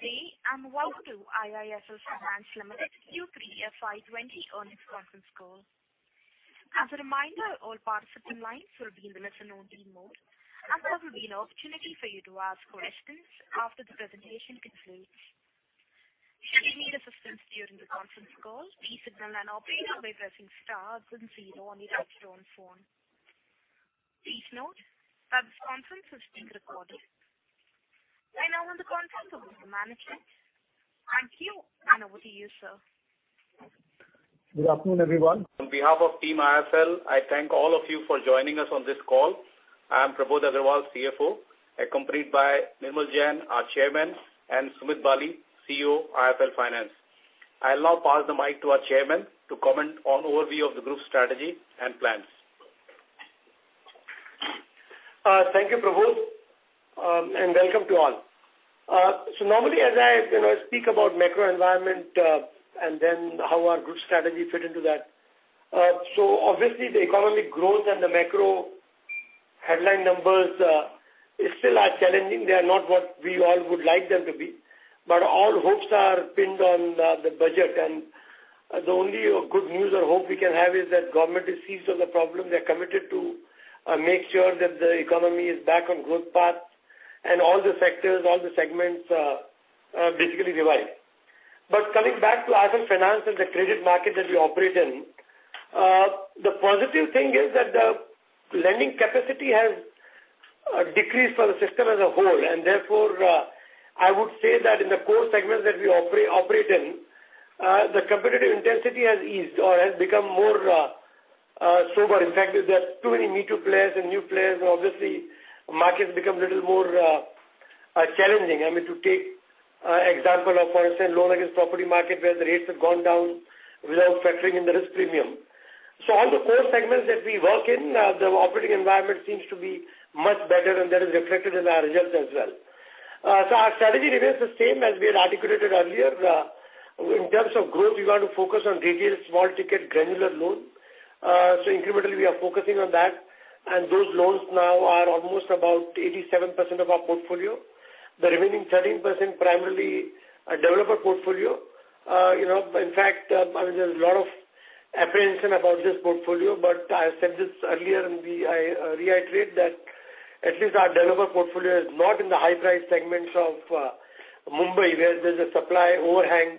Ladies and gentlemen, good day and welcome to IIFL Finance Limited Q3 FY 2020 earnings conference call. As a reminder, all participant lines will be in the listen-only mode, and there will be an opportunity for you to ask questions after the presentation concludes. If you need assistance during the conference call, please signal an operator by pressing star then zero on your touch-tone phone. Please note that this conference is being recorded. I now hand the conference over to management. Thank you. Over to you, sir. Good afternoon, everyone. On behalf of team IIFL, I thank all of you for joining us on this call. I am Prabodh Agrawal, CFO, accompanied by Nirmal Jain, our Chairman, and Sumit Bali, CEO, IIFL Finance. I will now pass the mic to our Chairman to comment on overview of the group's strategy and plans. Thank you, Prabodh and welcome to all. Normally as I speak about macro environment and then how our group strategy fit into that. Obviously the economic growth and the macro headline numbers still are challenging. They are not what we all would like them to be, but all hopes are pinned on the budget and the only good news or hope we can have is that government is seized on the problem. They are committed to make sure that the economy is back on growth path and all the sectors, all the segments are basically revived. Coming back to IIFL Finance and the credit market that we operate in, the positive thing is that the lending capacity has decreased for the system as a whole, and therefore, I would say that in the core segment that we operate in, the competitive intensity has eased or has become more sober. In fact, there are too many me-too players and new players and obviously markets become little more challenging. I mean, to take example of, for instance, loan against property market where the rates have gone down without factoring in the risk premium. All the core segments that we work in, the operating environment seems to be much better and that is reflected in our results as well. Our strategy remains the same as we had articulated earlier. In terms of growth, we want to focus on retail, small ticket, granular loans. Incrementally we are focusing on that and those loans now are almost about 87% of our portfolio. The remaining 13% primarily a developer portfolio. In fact, there's a lot of apprehension about this portfolio, but I said this earlier and I reiterate that at least our developer portfolio is not in the high price segments of Mumbai where there's a supply overhang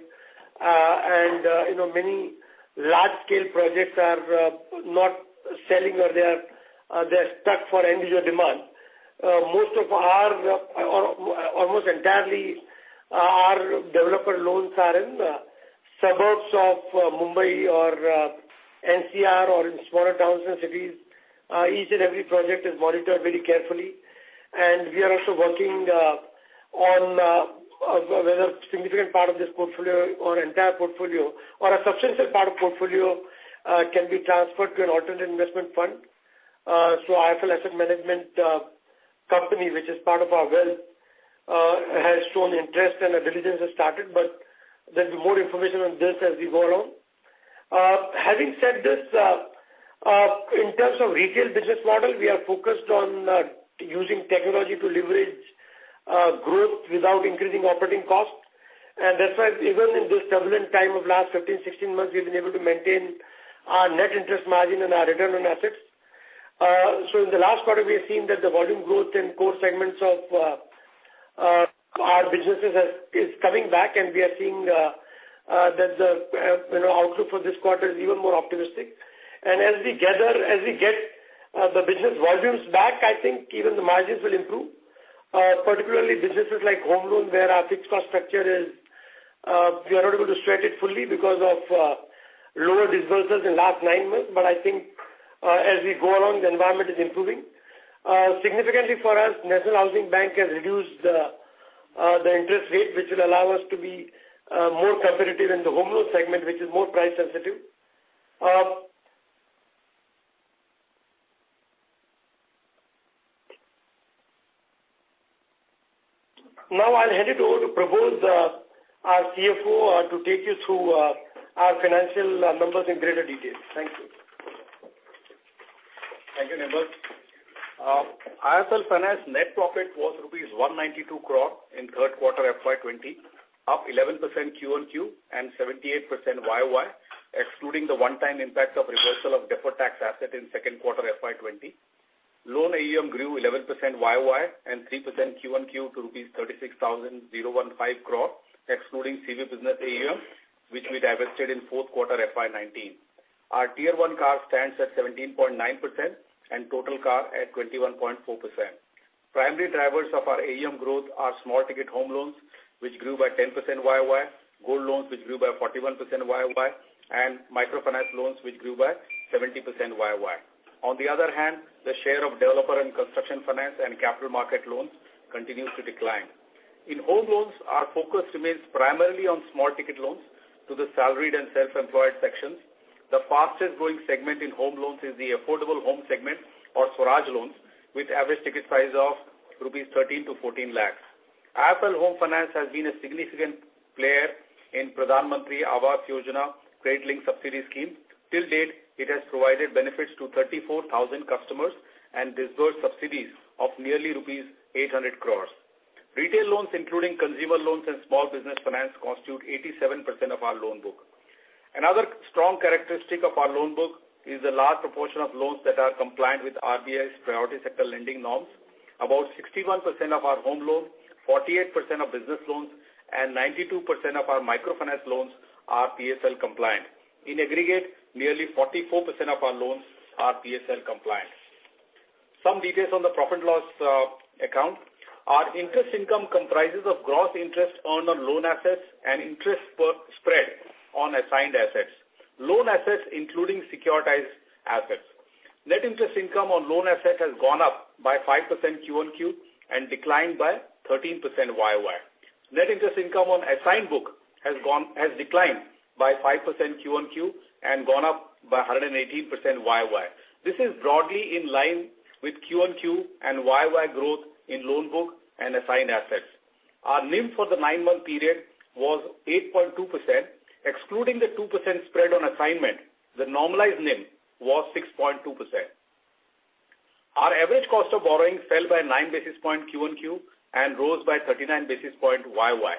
and many large-scale projects are not selling or they are stuck for end-user demand. Almost entirely our developer loans are in the suburbs of Mumbai or NCR or in smaller towns and cities. Each and every project is monitored very carefully and we are also working on whether a significant part of this portfolio or entire portfolio or a substantial part of portfolio can be transferred to an alternate investment fund. IIFL Asset Management, which is part of our wealth, has shown interest and a diligence has started, there's more information on this as we go along. Having said this, in terms of retail business model, we are focused on using technology to leverage growth without increasing operating cost. That's why even in this turbulent time of last 15, 16 months, we've been able to maintain our net interest margin and our return on assets. In the last quarter, we have seen that the volume growth in core segments of our businesses is coming back and we are seeing that the outlook for this quarter is even more optimistic. As we get the business volumes back, I think even the margins will improve. Particularly businesses like home loans where our fixed cost structure is, we are not able to stretch it fully because of lower disbursements in last nine months. I think as we go along, the environment is improving. Significantly for us, National Housing Bank has reduced the interest rate which will allow us to be more competitive in the home loan segment which is more price sensitive. Now I'll hand it over to Prabodh, our CFO, to take you through our financial numbers in greater detail. Thank you. Thank you, Nirmal. IIFL Finance net profit was rupees 192 crore in third quarter FY 2020, up 11% Q on Q and 78% YoY, excluding the one-time impact of reversal of deferred tax asset in second quarter FY 2020. Loan AUM grew 11% YoY and 3% Q on Q to rupees 36,015 crore excluding CV business AUM which we divested in fourth quarter FY 2019. Our Tier I CAR stands at 17.9% and total CAR at 21.4%. Primary drivers of our AUM growth are small ticket home loans which grew by 10% YoY, gold loans which grew by 41% YoY and microfinance loans which grew by 70% YoY. On the other hand, the share of developer and construction finance and capital market loans continues to decline. In home loans, our focus remains primarily on small ticket loans to the salaried and self-employed sections. The fastest growing segment in home loans is the affordable home segment or Swaraj loans with average ticket size of 13 lakhs-14 lakhs rupees. IIFL Home Finance has been a significant player in Pradhan Mantri Awas Yojana, credit-linked subsidy scheme. Till date, it has provided benefits to 34,000 customers and disbursed subsidies of nearly rupees 800 crores. Retail loans, including consumer loans and small business finance, constitute 87% of our loan book. Another strong characteristic of our loan book is the large proportion of loans that are compliant with RBI's priority sector lending norms. About 61% of our home loans, 48% of business loans, and 92% of our microfinance loans are PSL compliant. In aggregate, nearly 44% of our loans are PSL compliant. Some details on the profit loss account. Our interest income comprises of gross interest earned on loan assets and interest spread on assigned assets, loan assets including securitized assets. Net interest income on loan assets has gone up by 5% Q on Q and declined by 13% YoY. Net interest income on assigned book has declined by 5% Q on Q and gone up by 118% YoY. This is broadly in line with Q on Q and YoY growth in loan book and assigned assets. Our NIM for the nine-month period was 8.2%, excluding the 2% spread on assignment, the normalized NIM was 6.2%. Our average cost of borrowing fell by 9 basis points Q on Q and rose by 39 basis points YoY.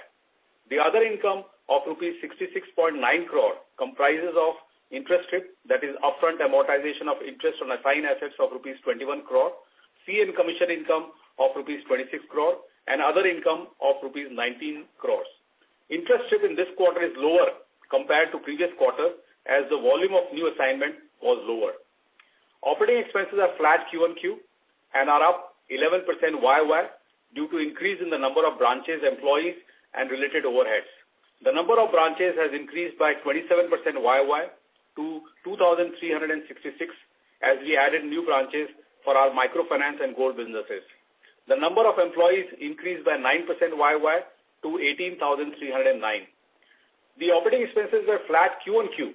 The other income of rupees 66.9 crore comprises interest strip, that is upfront amortization of interest on assigned assets of rupees 21 crore, fee and commission income of rupees 26 crore, and other income of rupees 19 interest strip in this quarter is lower compared to previous quarters as the volume of new assignment was lower. Operating expenses are flat Q on Q and are up 11% YoY due to increase in the number of branches, employees, and related overheads. The number of branches has increased by 27% YoY to 2,366 as we added new branches for our microfinance and gold businesses. The number of employees increased by 9% YoY to 18,309. The operating expenses were flat Q on Q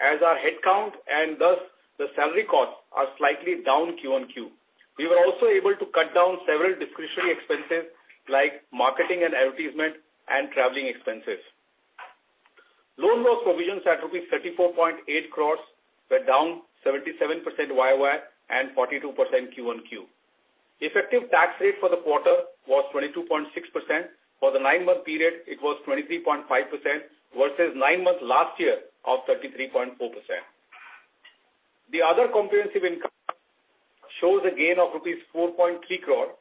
as our head count and thus the salary costs are slightly down Q on Q. We were also able to cut down several discretionary expenses like marketing and advertisement and traveling expenses. Loan loss provisions at rupees 34.8 crores were down 77% YoY and 42% Q on Q. Effective tax rate for the quarter was 22.6%. For the nine-month period, it was 23.5% versus nine months last year of 33.4%. The other comprehensive income shows a gain of rupees 4.3 crores,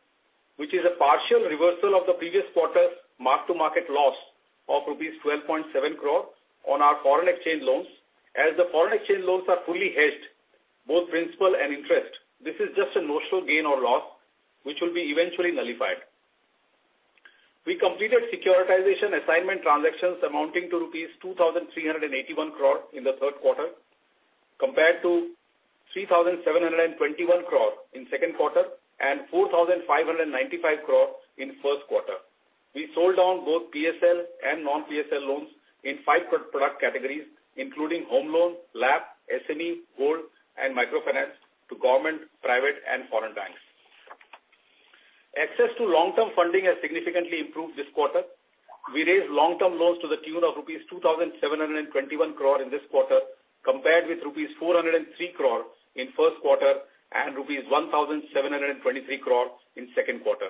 which is a partial reversal of the previous quarter's mark-to-market loss of rupees 12.7 crores on our foreign exchange loans. As the foreign exchange loans are fully hedged, both principal and interest, this is just a notional gain or loss, which will be eventually nullified. We completed securitization assignment transactions amounting to rupees 2,381 crores in the third quarter compared to 3,721 crores in second quarter and 4,595 crores in first quarter. We sold on both PSL and non-PSL loans in five product categories, including home loans, LAP, SME, gold, and microfinance to government, private, and foreign banks. Access to long-term funding has significantly improved this quarter. We raised long-term loans to the tune of rupees 2,721 crores in this quarter, compared with rupees 403 crores in first quarter and rupees 1,723 crores in second quarter.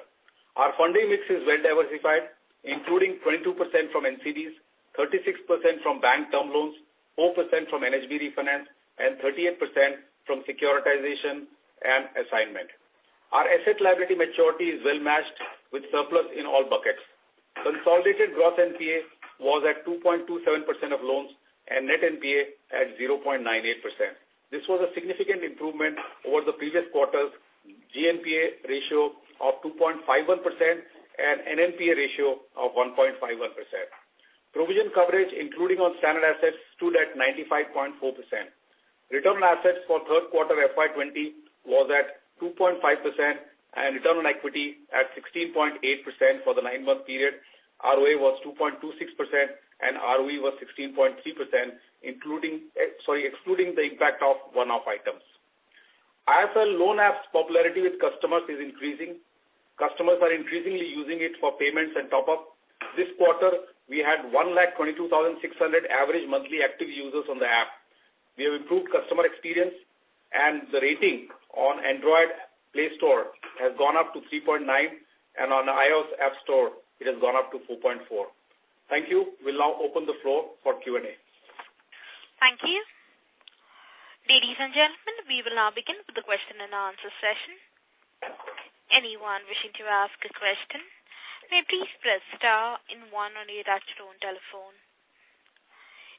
Our funding mix is well diversified, including 22% from NCDs, 36% from bank term loans, 4% from NHB refinance, and 38% from securitization and assignment. Our asset liability maturity is well matched with surplus in all buckets. Consolidated gross NPA was at 2.27% of loans and net NPA at 0.98%. This was a significant improvement over the previous quarter's GNPA ratio of 2.51% and NNPA ratio of 1.51%. Provision coverage, including on standard assets, stood at 95.4%. Return on assets for third quarter FY 2020 was at 2.5% and return on equity at 16.8% for the nine-month period. ROA was 2.26% and ROE was 16.3% excluding the impact of one-off items. IIFL Loans app's popularity with customers is increasing. Customers are increasingly using it for payments and top-up. This quarter, we had 122,600 average monthly active users on the app. We have improved customer experience and the rating on Android Play Store has gone up to 3.9 and on App Store it has gone up to 4.4. Thank you. We'll now open the floor for Q&A. Thank you. Ladies and gentlemen, we will now begin with the question-and-answer session. Anyone wishing to ask a question, may please press star and one on your touch-tone telephone.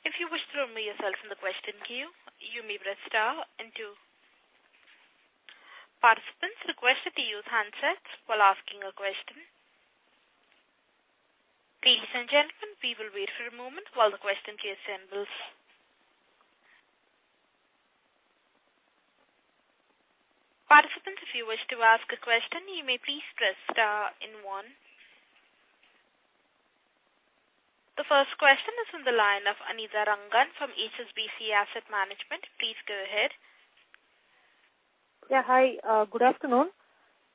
If you wish to remove yourself from the question queue, you may press star and two. Participants are requested to use handsets while asking a question. Ladies and gentlemen, we will wait for a moment while the question queue assembles. Participants, if you wish to ask a question, you may please press star and one. The first question is on the line of Anitha Rangan from HSBC Asset Management. Please go ahead. Yeah, hi. Good afternoon.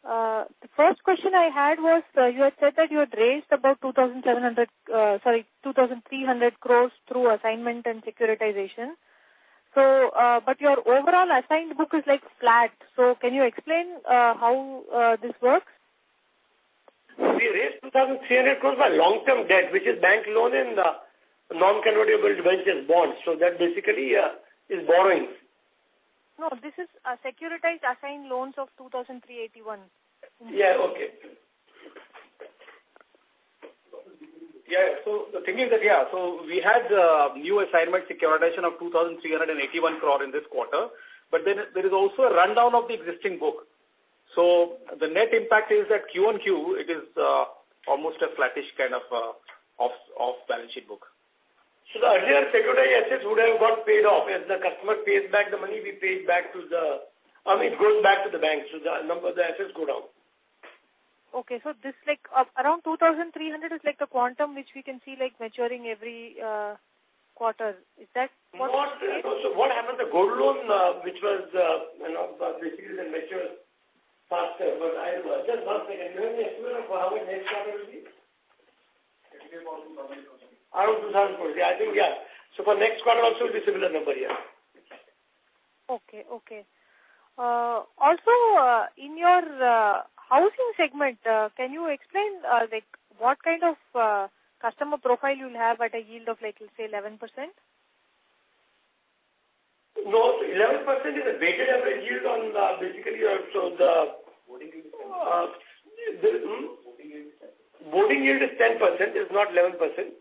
The first question I had was, you had said that you had raised about 2,700 crores sorry, 2,300 crores through assignment and securitization. Your overall assigned book is flat. Can you explain how this works? We raised 2,300 crores by long-term debt, which is bank loan in the Non-Convertible Debentures bonds. That basically is borrowings. No, this is securitized assigned loans of 2,381 crore. Yeah, okay. Yeah. The thing is that, we had new assignment securitization of 2,381 crore in this quarter, there is also a rundown of the existing book. The net impact is that Q on Q, it is almost a flattish kind of off-balance sheet book. The earlier securitized assets would have got paid off. As the customer pays back the money, it goes back to the bank, so the assets go down. Okay. This, around 2,300 crore is the quantum which we can see maturing every quarter. Is that correct? What happens, the gold loan which was basically matures faster. Just one second, do you have any estimate of how it next quarter will be? It will be around INR 2,400 crore. Around 2,400 crore. I think, yeah. For next quarter also it will be similar number, yeah. Okay. Also, in your housing segment, can you explain, what kind of customer profile you'll have at a yield of, let's say 11%? No, 11% is a weighted average yield on the- Boarding yield is 10%. Boarding yield is 10%, it is not 11%.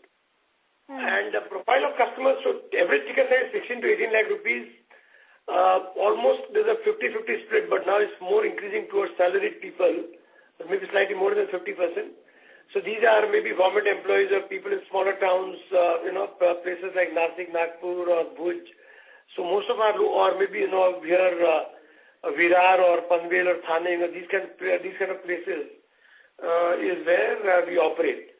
The profile of customers, average ticket size 16 lakh-18 lakh rupees. Almost there's a 50/50 split, now it's more increasing towards salaried people. Maybe slightly more than 50%. These are maybe government employees or people in smaller towns, places like Nashik, Nagpur or Bhuj. Most of our or maybe Virar or Panvel or Thane, these kind of places, is where we operate.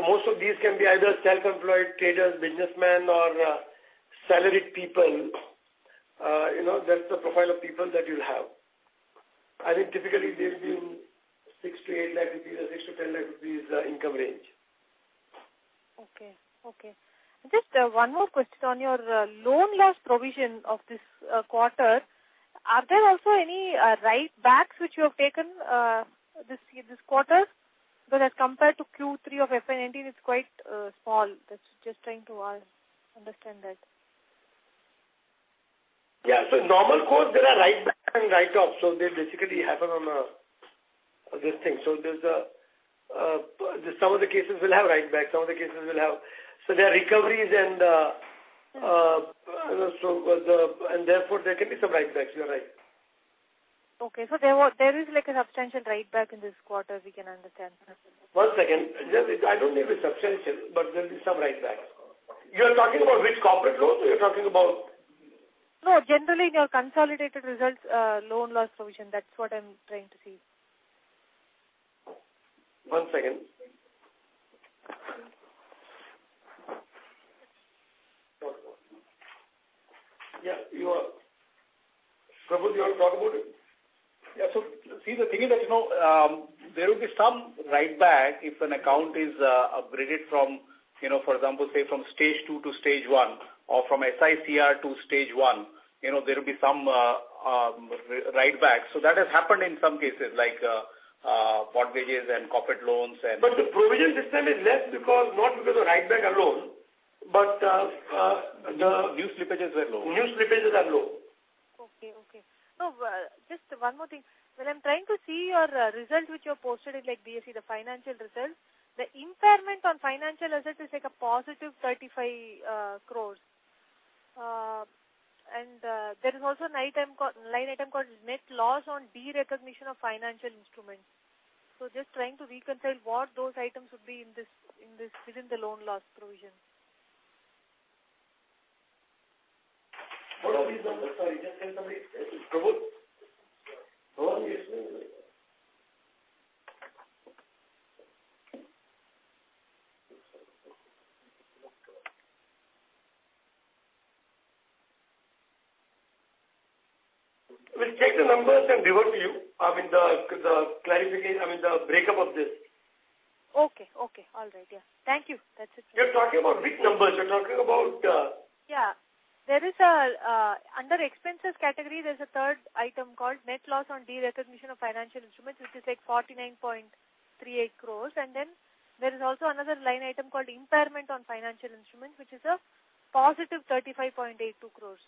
Most of these can be either self-employed traders, businessmen or salaried people. That's the profile of people that you'll have. I think typically they fall in 6 lakh-8 lakh rupees or 6 lakh-10 lakh rupees income range. Okay. Just one more question. On your loan loss provision of this quarter, are there also any write-backs which you have taken this quarter? As compared to Q3 of FY 2019, it's quite small. Just trying to understand that. Normal course there are write-back and write-offs, so they basically happen on this thing. Some of the cases will have write-back. There are recoveries and therefore there can be some write-backs, you're right. Okay. There is a substantial write-back in this quarter we can understand from. One second. I don't think it's substantial, but there'll be some write-backs. You're talking about which corporate loans? Or you're talking about? No, generally in your consolidated results, loan loss provision. That's what I'm trying to see. One second. Prabodh, you want to talk about it? Yeah. See, the thing is that there will be some write-back if an account is upgraded from, for example, say, from Stage 2 to Stage 1 or from SICR to Stage 1. There will be some write-backs. That has happened in some cases like mortgages and corporate loans. The provision this time is less not because of write-back alone. New slippages were low. New slippages are low. Okay. Just one more thing. When I'm trying to see your result which you have posted in BSE, the financial results, the impairment on financial assets is a positive 35 crores. There is also a line item called net loss on de-recognition of financial instruments. I am just trying to reconcile what those items would be within the loan loss provision. Sorry, just say it again please. Prabodh. We'll take the numbers and revert to you. I mean, the breakup of this. Okay. All right. Yeah. Thank you. That's it. You're talking about which numbers? Yeah. Under expenses category, there's a third item called net loss on de-recognition of financial instruments, which is 49.38 crores. There is also another line item called impairment on financial instruments, which is a +35.82 crores.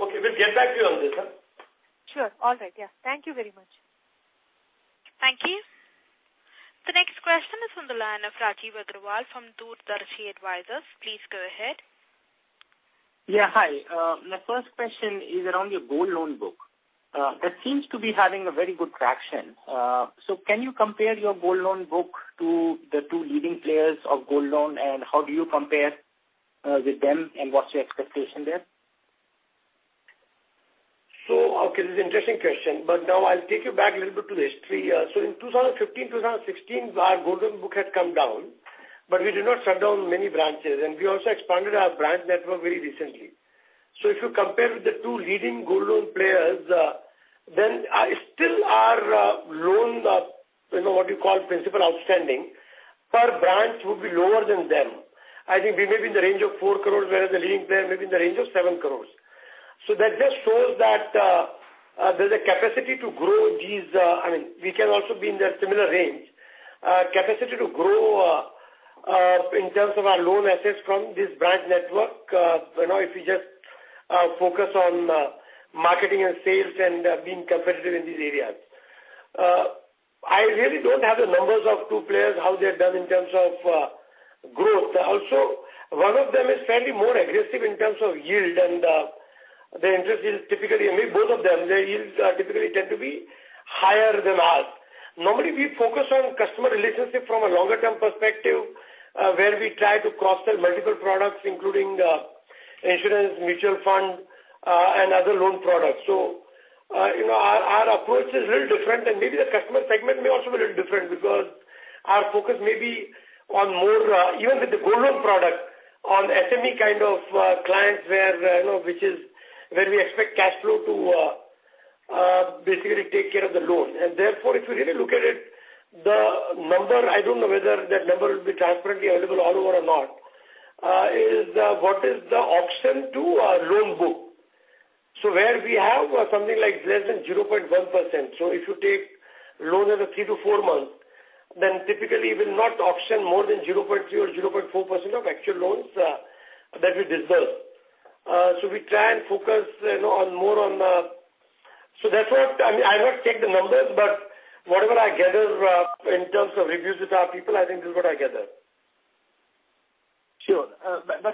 Okay. We'll get back to you on this. Sure. All right. Yeah. Thank you very much. Thank you. The next question is on the line of Rajeev Agrawal from DoorDarshi Advisors. Please go ahead. Yeah, hi. My first question is around your gold loan book. That seems to be having a very good traction. Can you compare your gold loan book to the two leading players of gold loan, and how do you compare with them and what's your expectation there? This is an interesting question, now I'll take you back a little bit to the history. In 2015, 2016, our gold loan book had come down, we did not shut down many branches, we also expanded our branch network very recently. If you compare with the two leading gold loan players, still our loan, what you call principal outstanding, per branch would be lower than them. I think we may be in the range of 4 crore, whereas the leading player may be in the range of 7 crore. That just shows that there's a capacity to grow these. We can also be in that similar range. Capacity to grow in terms of our loan assets from this branch network, if we just focus on marketing and sales and being competitive in these areas. I really don't have the numbers of two players, how they've done in terms of growth. One of them is fairly more aggressive in terms of yield, and the interest yield typically, maybe both of them, their yields typically tend to be higher than ours. Normally, we focus on customer relationship from a longer-term perspective, where we try to cross-sell multiple products, including insurance, mutual fund, and other loan products. Our approach is a little different, and maybe the customer segment may also be a little different, because our focus may be on more, even with the gold loan product, on SME kind of clients where we expect cash flow to basically take care of the loan. Therefore, if you really look at it, the number, I don't know whether that number will be transparently available all over or not, is what is the auction to our loan book. Where we have something like less than 0.1%. If you take loans as a three to four months, then typically you will not auction more than 0.3% or 0.4% of actual loans that we disperse. That's what, I mean, I won't take the numbers, but whatever I gather in terms of reviews with our people, I think this is what I gather. Sure.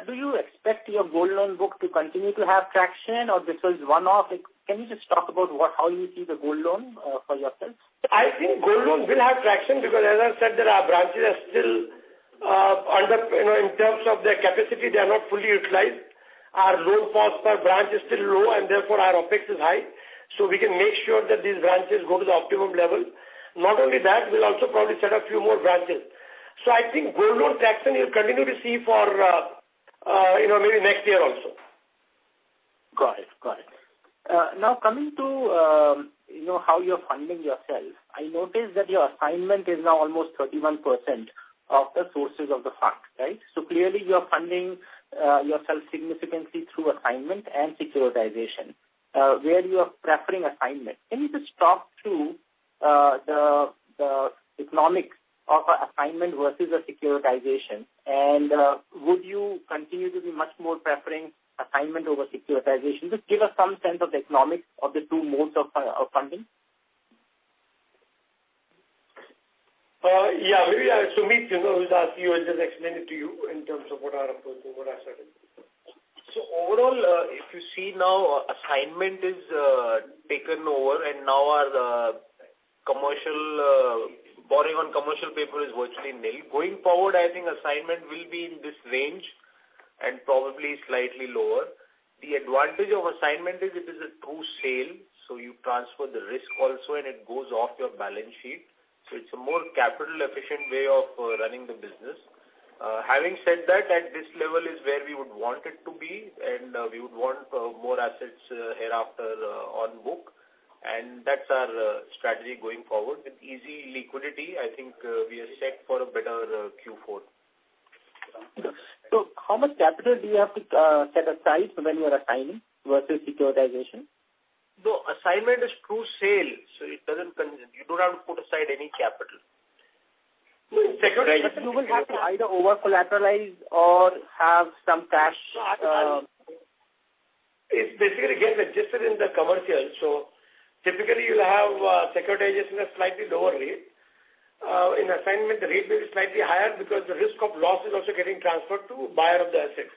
Do you expect your gold loan book to continue to have traction, or this is one-off? Can you just talk about how you see the gold loan for yourself? I think gold loans will have traction because as I said that our branches are still, in terms of their capacity, they are not fully utilized. Our loan cost per branch is still low and therefore our OpEx is high. We can make sure that these branches go to the optimum level. Not only that, we'll also probably set a few more branches. I think gold loan traction you'll continue to see for maybe next year also. Got it. Coming to how you are funding yourself. I noticed that your assignment is now almost 31% of the sources of the fund, right? Clearly you are funding yourself significantly through assignment and securitization. Where you are preferring assignment. Can you just talk to the economics of an assignment versus a securitization? Would you continue to be much more preferring assignment over securitization? Just give us some sense of the economics of the two modes of funding. Yeah. Maybe Sumit, who's asked you, I'll just explain it to you in terms of what our approach and what our strategy is. Overall, if you see now, assignment has taken over and now our borrowing on commercial paper is virtually nil. Going forward, I think assignment will be in this range and probably slightly lower. The advantage of assignment is it is a true sale, so you transfer the risk also and it goes off your balance sheet. It's a more capital-efficient way of running the business. Having said that, at this level is where we would want it to be, and we would want more assets hereafter on book, and that's our strategy going forward. With easy liquidity, I think we are set for a better Q4. How much capital do you have to set aside when you are assigning versus securitization? No, assignment is true sale, so you don't have to put aside any capital. You will have to either over-collateralize or have some cash. It basically gets adjusted in the commercial. Typically, you'll have securitization at a slightly lower rate. In assignment, the rate will be slightly higher because the risk of loss is also getting transferred to buyer of the assets.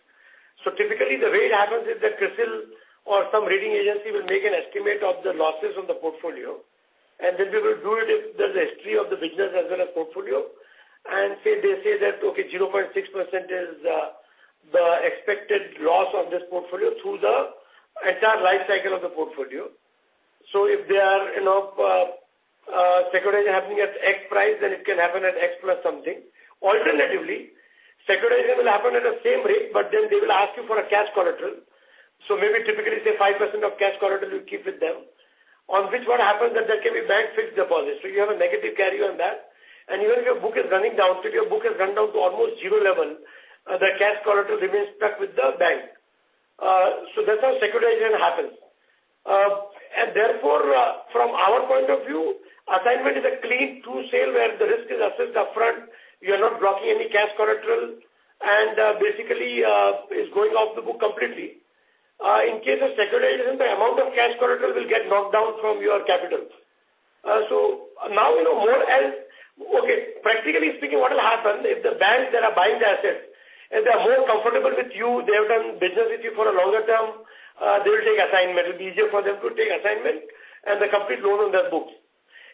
Typically, the way it happens is that CRISIL or some rating agency will make an estimate of the losses on the portfolio, and then we will do it if there's a history of the business as well as portfolio. Say they say that, okay, 0.6% is the expected loss of this portfolio through the entire life cycle of the portfolio. If they are securitization happening at X price, then it can happen at X plus something. Alternatively, securitization will happen at the same rate, but then they will ask you for a cash collateral. Maybe typically, say 5% of cash collateral you keep with them. On which one happens that there can be bank fixed deposits. You have a negative carry on that. Even if your book is running down, so if your book has run down to almost zero level, the cash collateral remains stuck with the bank. That's how securitization happens. Therefore, from our point of view, assignment is a clean true sale where the risk is assessed upfront. You are not blocking any cash collateral, and basically, it is going off the book completely. In case of securitization, the amount of cash collateral will get knocked down from your capital. Now, practically speaking, what will happen if the banks that are buying the asset, if they are more comfortable with you, they have done business with you for a longer term, they will take assignment. It will be easier for them to take assignment and the complete loan on their books.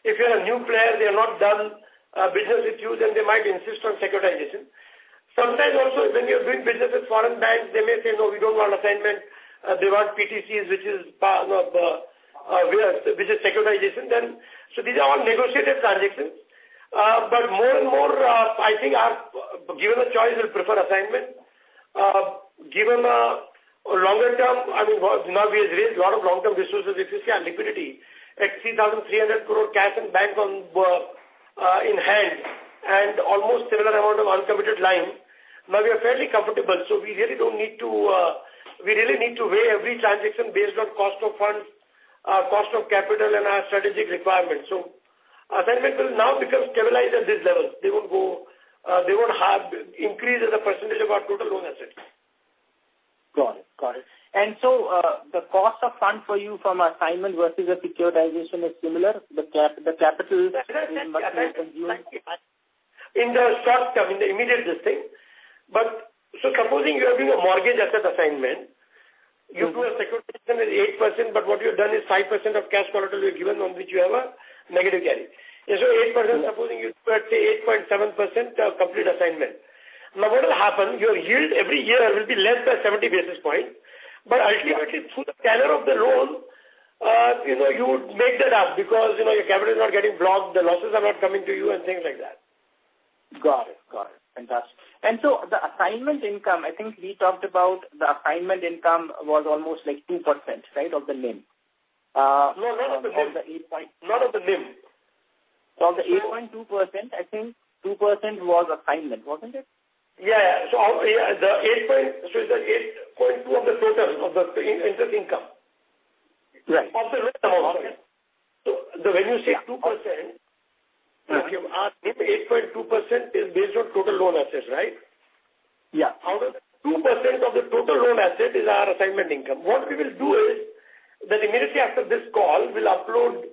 If you are a new player, they have not done business with you, then they might insist on securitization. Sometimes also, when you're doing business with foreign banks, they may say, "No, we don't want assignment." They want PTCs, which is securitization then. These are all negotiated transactions. More and more, I think given a choice, we'll prefer assignment. Given longer term, now we have raised a lot of long-term resources, if you see our liquidity at 3,300 crore cash and banks in hand and almost similar amount of uncommitted line. Now we are fairly comfortable, we really need to weigh every transaction based on cost of funds, cost of capital, and our strategic requirements. Assignment will now become stabilized at these levels. They won't increase as a percentage of our total loan assets. Got it. The cost of fund for you from assignment versus a securitization is similar. The capital investment you are doing? In the short term, in the immediate this thing. Supposing you are doing a mortgage asset assignment, you do a securitization at 8%, but what you've done is 5% of cash collateral you've given on which you have a negative carry. Instead of 8%, supposing you do at, say, 8.7% complete assignment. What will happen, your yield every year will be less by 70 basis point. Ultimately, through the tenor of the loan, you would make that up because your capital is not getting blocked, the losses are not coming to you and things like that. Got it. Fantastic. The assignment income, I think we talked about the assignment income was almost 2%, right, of the NIM? No, not of the NIM. From the 8.2%, I think 2% was assignment, wasn't it? Yeah. It's the 8.2% of the total of the interest income. Right. When you say 2%, our NIM 8.2% is based on total loan assets, right? Yeah. Out of that, 2% of the total loan asset is our assignment income. What we will do is that immediately after this call, we'll upload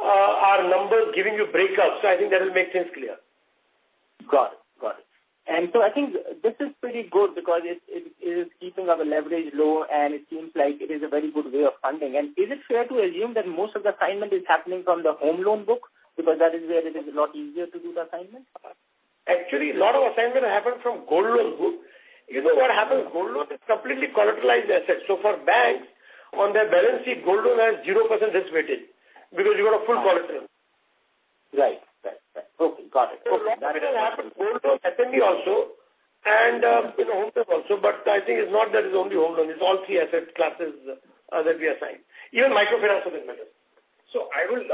our numbers giving you breakups. I think that will make things clear. Got it. I think this is pretty good because it is keeping our leverage low, and it seems like it is a very good way of funding. Is it fair to assume that most of the assignment is happening from the home loan book because that is where it is a lot easier to do the assignment? Actually, a lot of assignment happened from gold loan book. You know what happens? Gold loan is completely collateralized asset. For banks, on their balance sheet, gold loan has 0% risk weighting because you got a full collateral. Right. Got it. A lot of it has happened gold loan, SME also, and home loan also, but I think it's not that it's only home loan, it's all three asset classes that we assign. Even microfinance is better. I will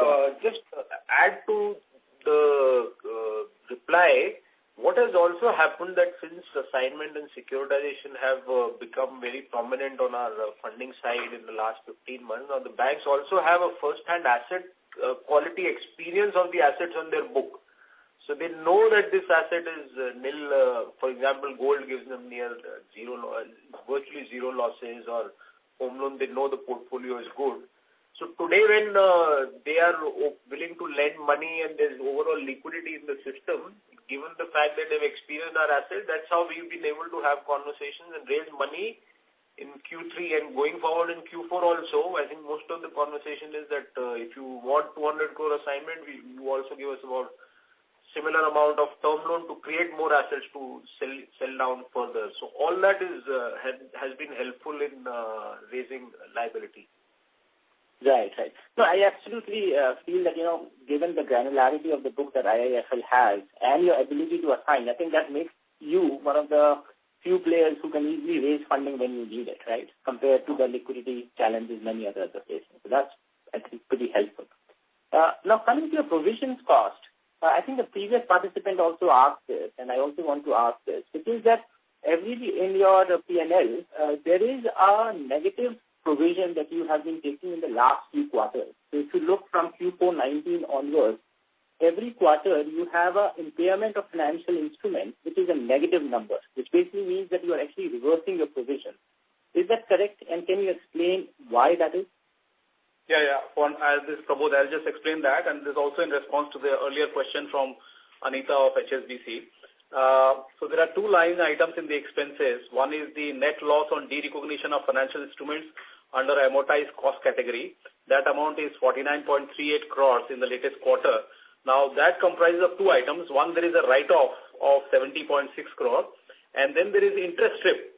just add to the reply. What has also happened that since assignment and securitization have become very prominent on our funding side in the last 15 months. Now the banks also have a first-hand asset quality experience of the assets on their book. They know that this asset is nil. For example, gold gives them virtually zero losses or home loan, they know the portfolio is good. Today when they are willing to lend money and there's overall liquidity in the system, given the fact that they've experienced our asset, that's how we've been able to have conversations and raise money in Q3 and going forward in Q4 also. I think most of the conversation is that if you want 200 crore assignment, you also give us about similar amount of term loan to create more assets to sell down further. All that has been helpful in raising liability. No, I absolutely feel that, given the granularity of the book that IIFL has and your ability to assign, I think that makes you one of the few players who can easily raise funding when you need it, right? Compared to the liquidity challenges many others are facing. That's, I think, pretty helpful. Now, coming to your provisions cost. I think the previous participant also asked this, and I also want to ask this, which is that every in your P&L, there is a negative provision that you have been taking in the last few quarters. If you look from Q4 2019 onwards, every quarter you have an impairment of financial instrument which is a negative number, which basically means that you are actually reversing your provision. Is that correct? Can you explain why that is? I'll just explain that, and this is also in response to the earlier question from Anitha of HSBC. There are two line items in the expenses. One is the net loss on derecognition of financial instruments under amortized cost category. That amount is 49.38 crores in the latest quarter. That comprises of two items. One, there is a write-off of 70.6 crores, and then there interest strip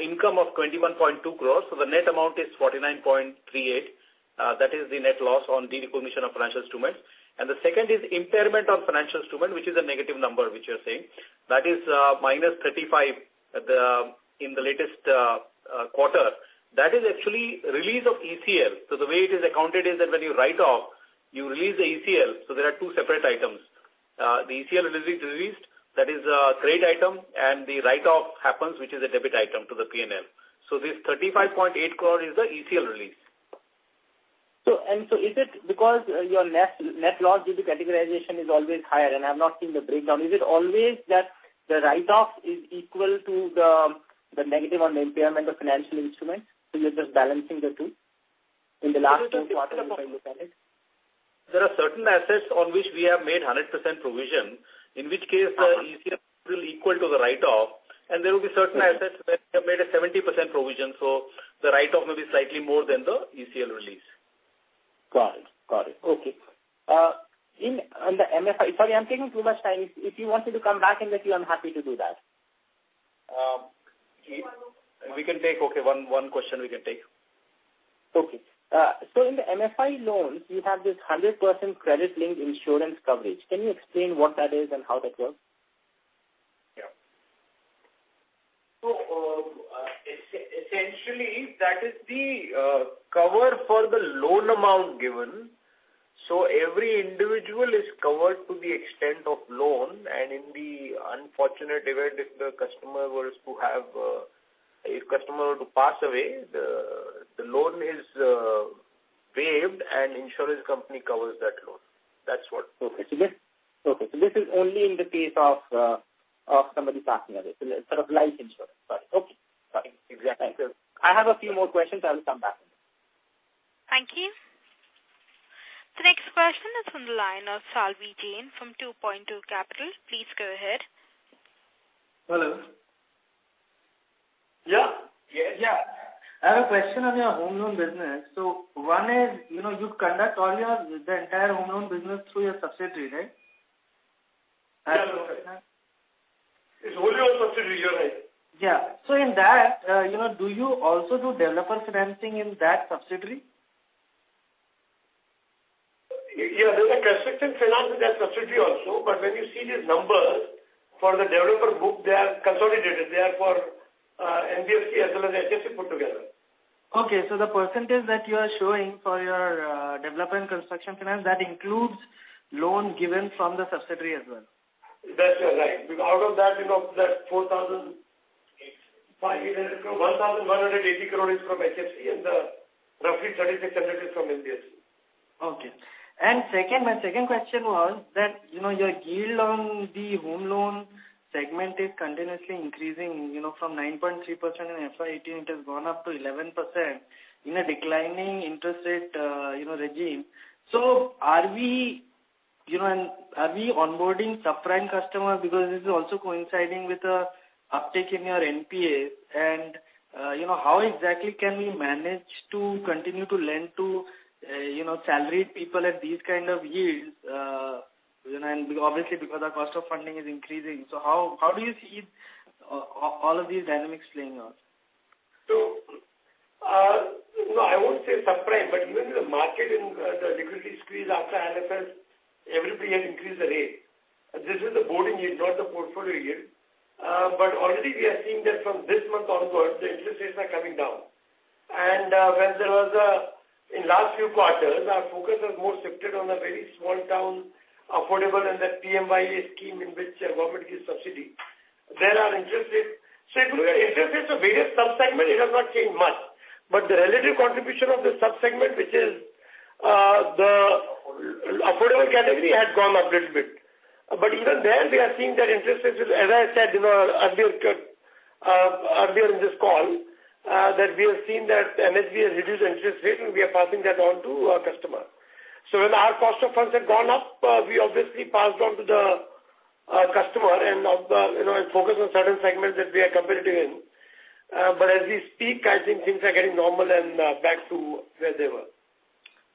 income of 21.2 crores. The net amount is 49.38 crores. That is the net loss on derecognition of financial instruments. The second is impairment on financial instrument, which is a negative number which you're saying. That is -35 crores in the latest quarter. That is actually release of ECL. The way it is accounted is that when you write off, you release the ECL, so there are two separate items. The ECL is released, that is a credit item, and the write-off happens, which is a debit item to the P&L. This 35.8 crore is the ECL release. Is it because your net loss due to categorization is always higher and I've not seen the breakdown. Is it always that the write-off is equal to the negative on the impairment of financial instruments, so you're just balancing the two in the last two quarters? There are certain assets on which we have made 100% provision, in which case the ECL will equal to the write-off. There will be certain assets that have made a 70% provision. The write-off may be slightly more than the ECL release. Got it. Okay. Sorry, I'm taking too much time. If you want me to come back in the queue, I'm happy to do that. We can take one question. Okay. In the MFI loans, you have this 100% credit-linked insurance coverage. Can you explain what that is and how that works? Yeah. Essentially, that is the cover for the loan amount given. Every individual is covered to the extent of loan, and in the unfortunate event if the customer were to pass away, the loan is waived and insurance company covers that loan. That's what. Okay. This is only in the case of somebody passing away. Like life insurance. Sorry. Okay. Exactly. Thank you. I have a few more questions. I will come back. Thank you. The next question is from the line of Savi Jain from 2Point2 Capital. Please go ahead. Hello. Yeah. Yeah. I have a question on your home loan business. One is, you conduct the entire home loan business through your subsidiary, right? Yeah. It's only our subsidiary, you're right. Yeah. In that, do you also do developer financing in that subsidiary? Yeah. There's a construction finance with that subsidiary also. When you see these numbers for the developer group, they are consolidated. They are for NBFC as well as HFC put together. Okay. The percentage that you are showing for your development construction finance, that includes loan given from the subsidiary as well. That's right, because out of that INR 4,000 crores- Eight. INR 1,180 crore is from HFC and roughly INR 3,600 crore is from NBFC. Okay. My second question was that, your yield on the home loan segment is continuously increasing, from 9.3% in FY 2018, it has gone up to 11% in a declining interest rate regime. Are we onboarding subprime customers because this is also coinciding with a uptick in your NPA and how exactly can we manage to continue to lend to salaried people at these kind of yields and obviously because our cost of funding is increasing, how do you see all of these dynamics playing out? No, I won't say subprime, but even in the market in the liquidity squeeze after [IL&FS], everybody has increased the rate. This is the boarding yield, not the portfolio yield. Already we are seeing that from this month onwards, the interest rates are coming down. In last few quarters, our focus was more shifted on a very small town affordable and that PMAY scheme in which government gives subsidy. There are interest rates. If you look at interest rates of various sub-segments, it has not changed much. The relative contribution of the sub-segment, which is the affordable category, has gone up little bit. Even then, we are seeing that interest rates, as I said earlier in this call, that we have seen that NHB has reduced interest rate, and we are passing that on to our customer. When our cost of funds had gone up, we obviously passed on to the customer and focus on certain segments that we are competitive in. As we speak, I think things are getting normal and back to where they were.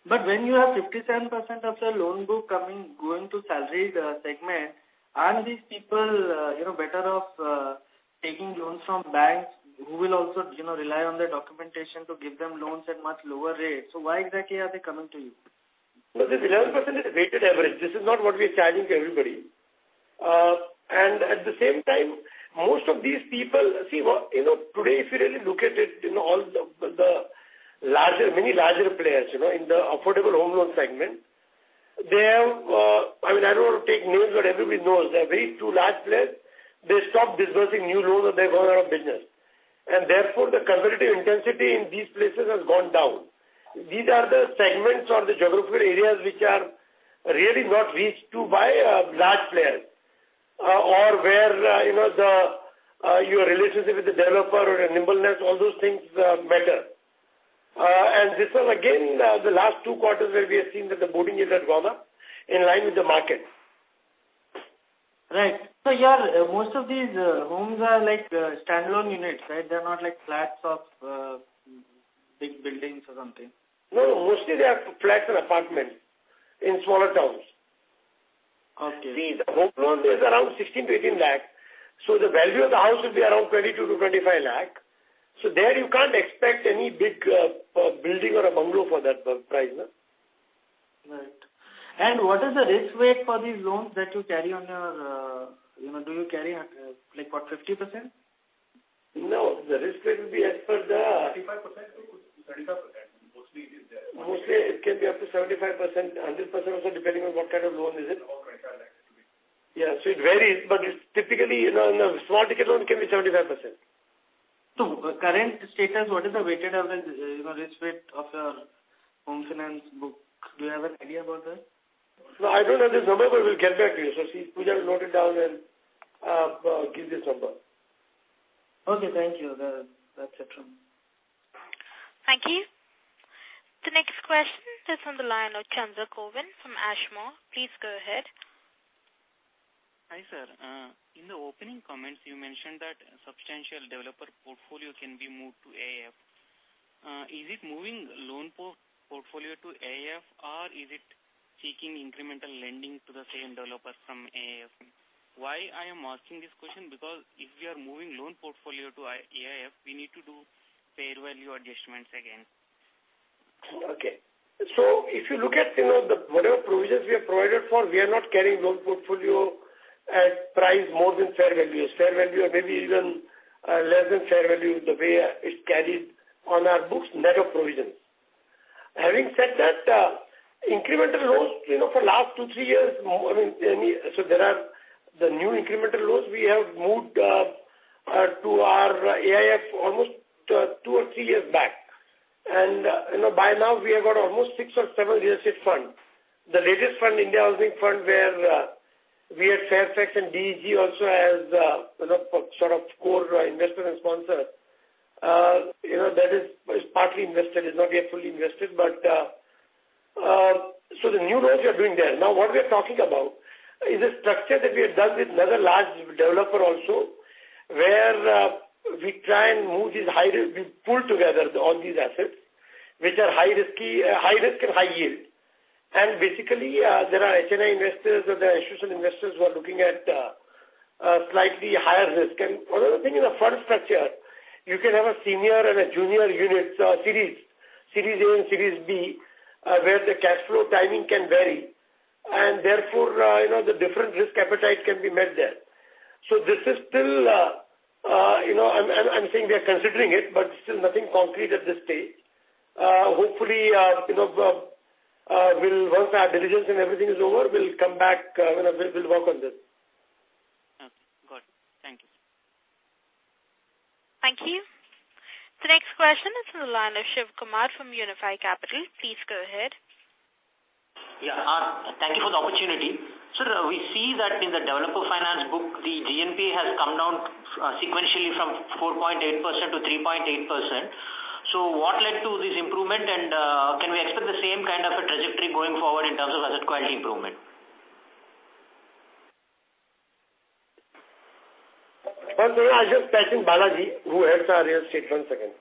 When you have 57% of the loan book going to salaried segment, aren't these people better off taking loans from banks who will also rely on their documentation to give them loans at much lower rates? Why exactly are they coming to you? No, this 11% is a weighted average. This is not what we are charging to everybody. At the same time, most of these people See, today, if you really look at it, many larger players, in the affordable home loan segment, I don't want to take names, but everybody knows there are two large players. They stopped disbursing new loans and they have gone out of business. Therefore, the competitive intensity in these places has gone down. These are the segments or the geographical areas which are really not reached to by large players or where your relationship with the developer or your nimbleness, all those things matter. This was again, the last two quarters where we have seen that the boarding yield has gone up in line with the market. Right. Your most of these homes are like standalone units, right? They're not like flats of big buildings or something. No. Mostly they are flats or apartments in smaller towns. Okay. These home loan is around 16 lakh-18 lakh, the value of the house will be around 22 lakh-25 lakh. There you can't expect any big building or a bungalow for that price. Right. What is the risk weight for these loans that you carry on your Do you carry like what, 50%? No, the risk weight will be as per. 35%-37%, mostly it is there. Mostly it can be up to 75%, 100% also, depending on what kind of loan is it. Or INR 25 lakhs. It varies, but it's typically in a small ticket loan can be 75%. Current status, what is the weighted average risk weight of your home finance book? Do you have an idea about that? No, I don't have this number, but we'll get back to you. See if [Prabodh] has noted it down and give this number. Okay. Thank you. That's it from me. Thank you. The next question is on the line of Chandra Govin from Ashmore. Please go ahead. Hi, sir. In the opening comments, you mentioned that substantial developer portfolio can be moved to AIF. Is it moving loan portfolio to AIF or is it seeking incremental lending to the same developers from AIF? Why I am asking this question, because if we are moving loan portfolio to AIF, we need to do fair value adjustments again. Okay. If you look at whatever provisions we have provided for, we are not carrying loan portfolio at price more than fair value. Fair value or maybe even less than fair value the way it's carried on our books net of provisions. Having said that, incremental loans for last two, three years, the new incremental loans we have moved to our AIF almost two or three years back. By now we have got almost six or seven real estate funds. The latest fund, India Housing Fund, where we at Fairfax and DEG also as sort of core investor and sponsor. That is partly invested, it's not yet fully invested. The new loans we are doing there. What we're talking about is a structure that we have done with another large developer also, where we try and move this high risk. We pool together all these assets which are high risk and high yield. Basically, there are HNI investors or there are institutional investors who are looking at slightly higher risk. One other thing in a fund structure, you can have a senior and a junior unit, so series, series A and series B, where the cash flow timing can vary and therefore, the different risk appetite can be met there. This is still, I'm saying we are considering it, but still nothing concrete at this stage. Hopefully, once our diligence and everything is over, we'll come back. We'll work on this. Okay, got it. Thank you. Thank you. The next question is on the line of Shiv Kumar from Unifi Capital. Please go ahead. Yeah. Thank you for the opportunity. Sir, we see that in the developer finance book, the GNPA has come down sequentially from 4.8% to 3.8%. What led to this improvement, and can we expect the same kind of a trajectory going forward in terms of asset quality improvement? One minute, I'll just patch in Balaji who heads our real estate. One second.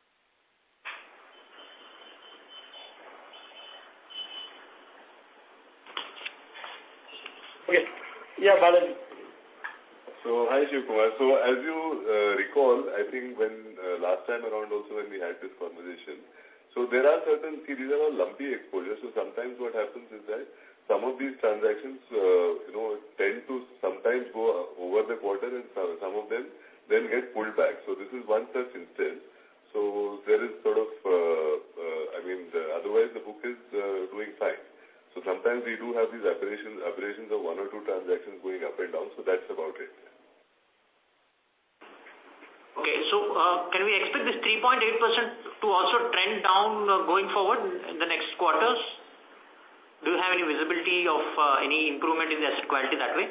Okay. Yeah, Balaji. Hi, Shiv Kumar. As you recall, I think when last time around also when we had this conversation, these are all lumpy exposures. Sometimes what happens is that some of these transactions tend to sometimes go over the quarter and some of them then get pulled back. This is one such instance. Otherwise the book is doing fine. Sometimes we do have these aberrations of one or two transactions going up and down. That's about it. Okay. Can we expect this 3.8% to also trend down going forward in the next quarters? Do you have any visibility of any improvement in the asset quality that way?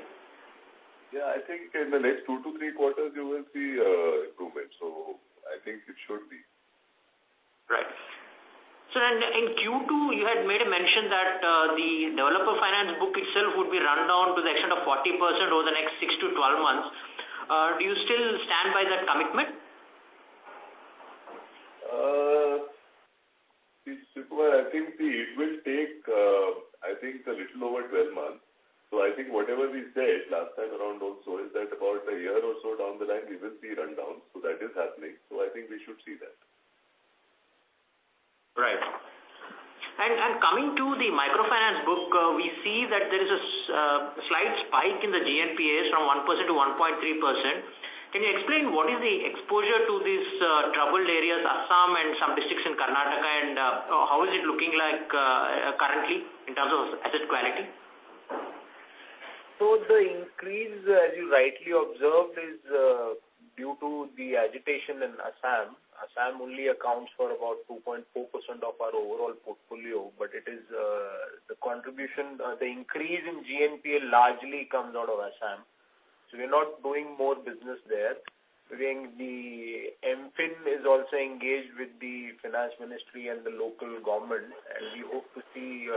Yeah, I think in the next two to three quarters you will see improvement. I think it should be. Right. Sir, in Q2 you had made a mention that the developer finance book itself would be run down to the extent of 40% over the next 6-12 months. Do you still stand by that commitment? Shiv Kumar, I think it will take a little over 12 months. I think whatever we said last time around also is that about a year or so down the line, we will see a rundown. That is happening. I think we should see that. Right. Coming to the microfinance book, we see that there is a slight spike in the GNPA from 1% to 1.3%. Can you explain what is the exposure to these troubled areas, Assam and some districts in Karnataka and how is it looking like currently in terms of asset quality? The increase, as you rightly observed, is due to the agitation in Assam. Assam only accounts for about 2.4% of our overall portfolio, but the increase in GNPA largely comes out of Assam. We are not doing more business there. I think the MFIN is also engaged with the finance ministry and the local government and we hope to see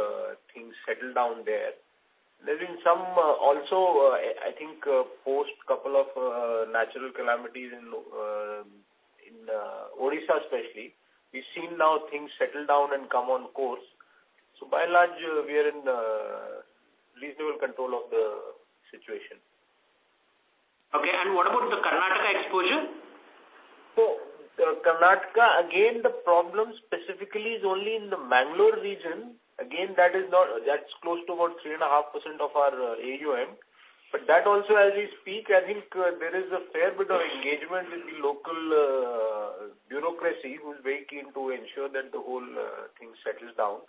things settle down there. There's been some also, I think post couple of natural calamities in Odisha especially. We've seen now things settle down and come on course. By and large, we are in reasonable control of the situation. Okay, and what about the Karnataka exposure? Karnataka, again, the problem specifically is only in the Bangalore region. That's close to about 3.5% of our AUM. That also as we speak, I think there is a fair bit of engagement with the local bureaucracy who is very keen to ensure that the whole thing settles down.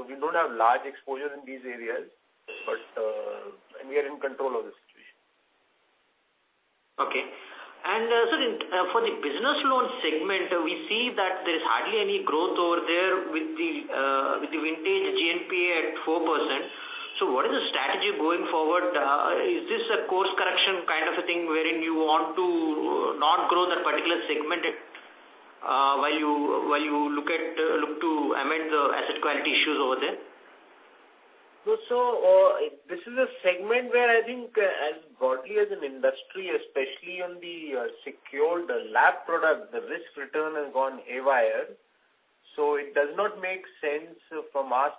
We don't have large exposure in these areas, and we are in control of the situation. Okay. Sir, for the business loan segment, we see that there is hardly any growth over there GNPA at 4%. What is the strategy going forward? Is this a course correction kind of a thing wherein you want to not grow that particular segment while you look to amend the asset quality issues over there? This is a segment where I think as broadly as an industry, especially on the secured LAP product, the risk return has gone haywire. It does not make sense from our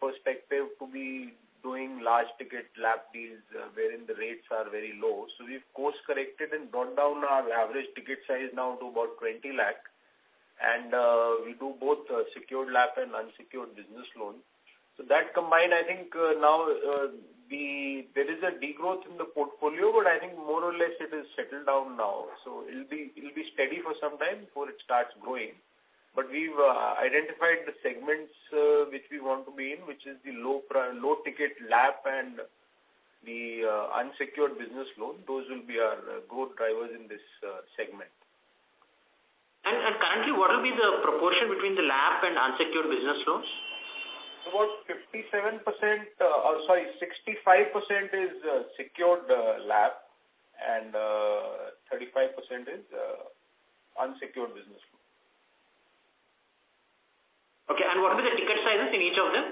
perspective to be doing large ticket LAP deals wherein the rates are very low. We've course-corrected and brought down our average ticket size now to about 20 lakh and we do both secured LAP and unsecured business loan. That combined, I think now there is a degrowth in the portfolio but I think more or less it is settled down now. It'll be steady for some time before it starts growing. We've identified the segments which we want to be in, which is the low ticket LAP and the unsecured business loan. Those will be our growth drivers in this segment. Currently, what will be the proportion between the LAP and unsecured business loans? About 57%, or sorry, 65% is secured LAP and 35% is unsecured business loan. Okay, what are the ticket sizes in each of them?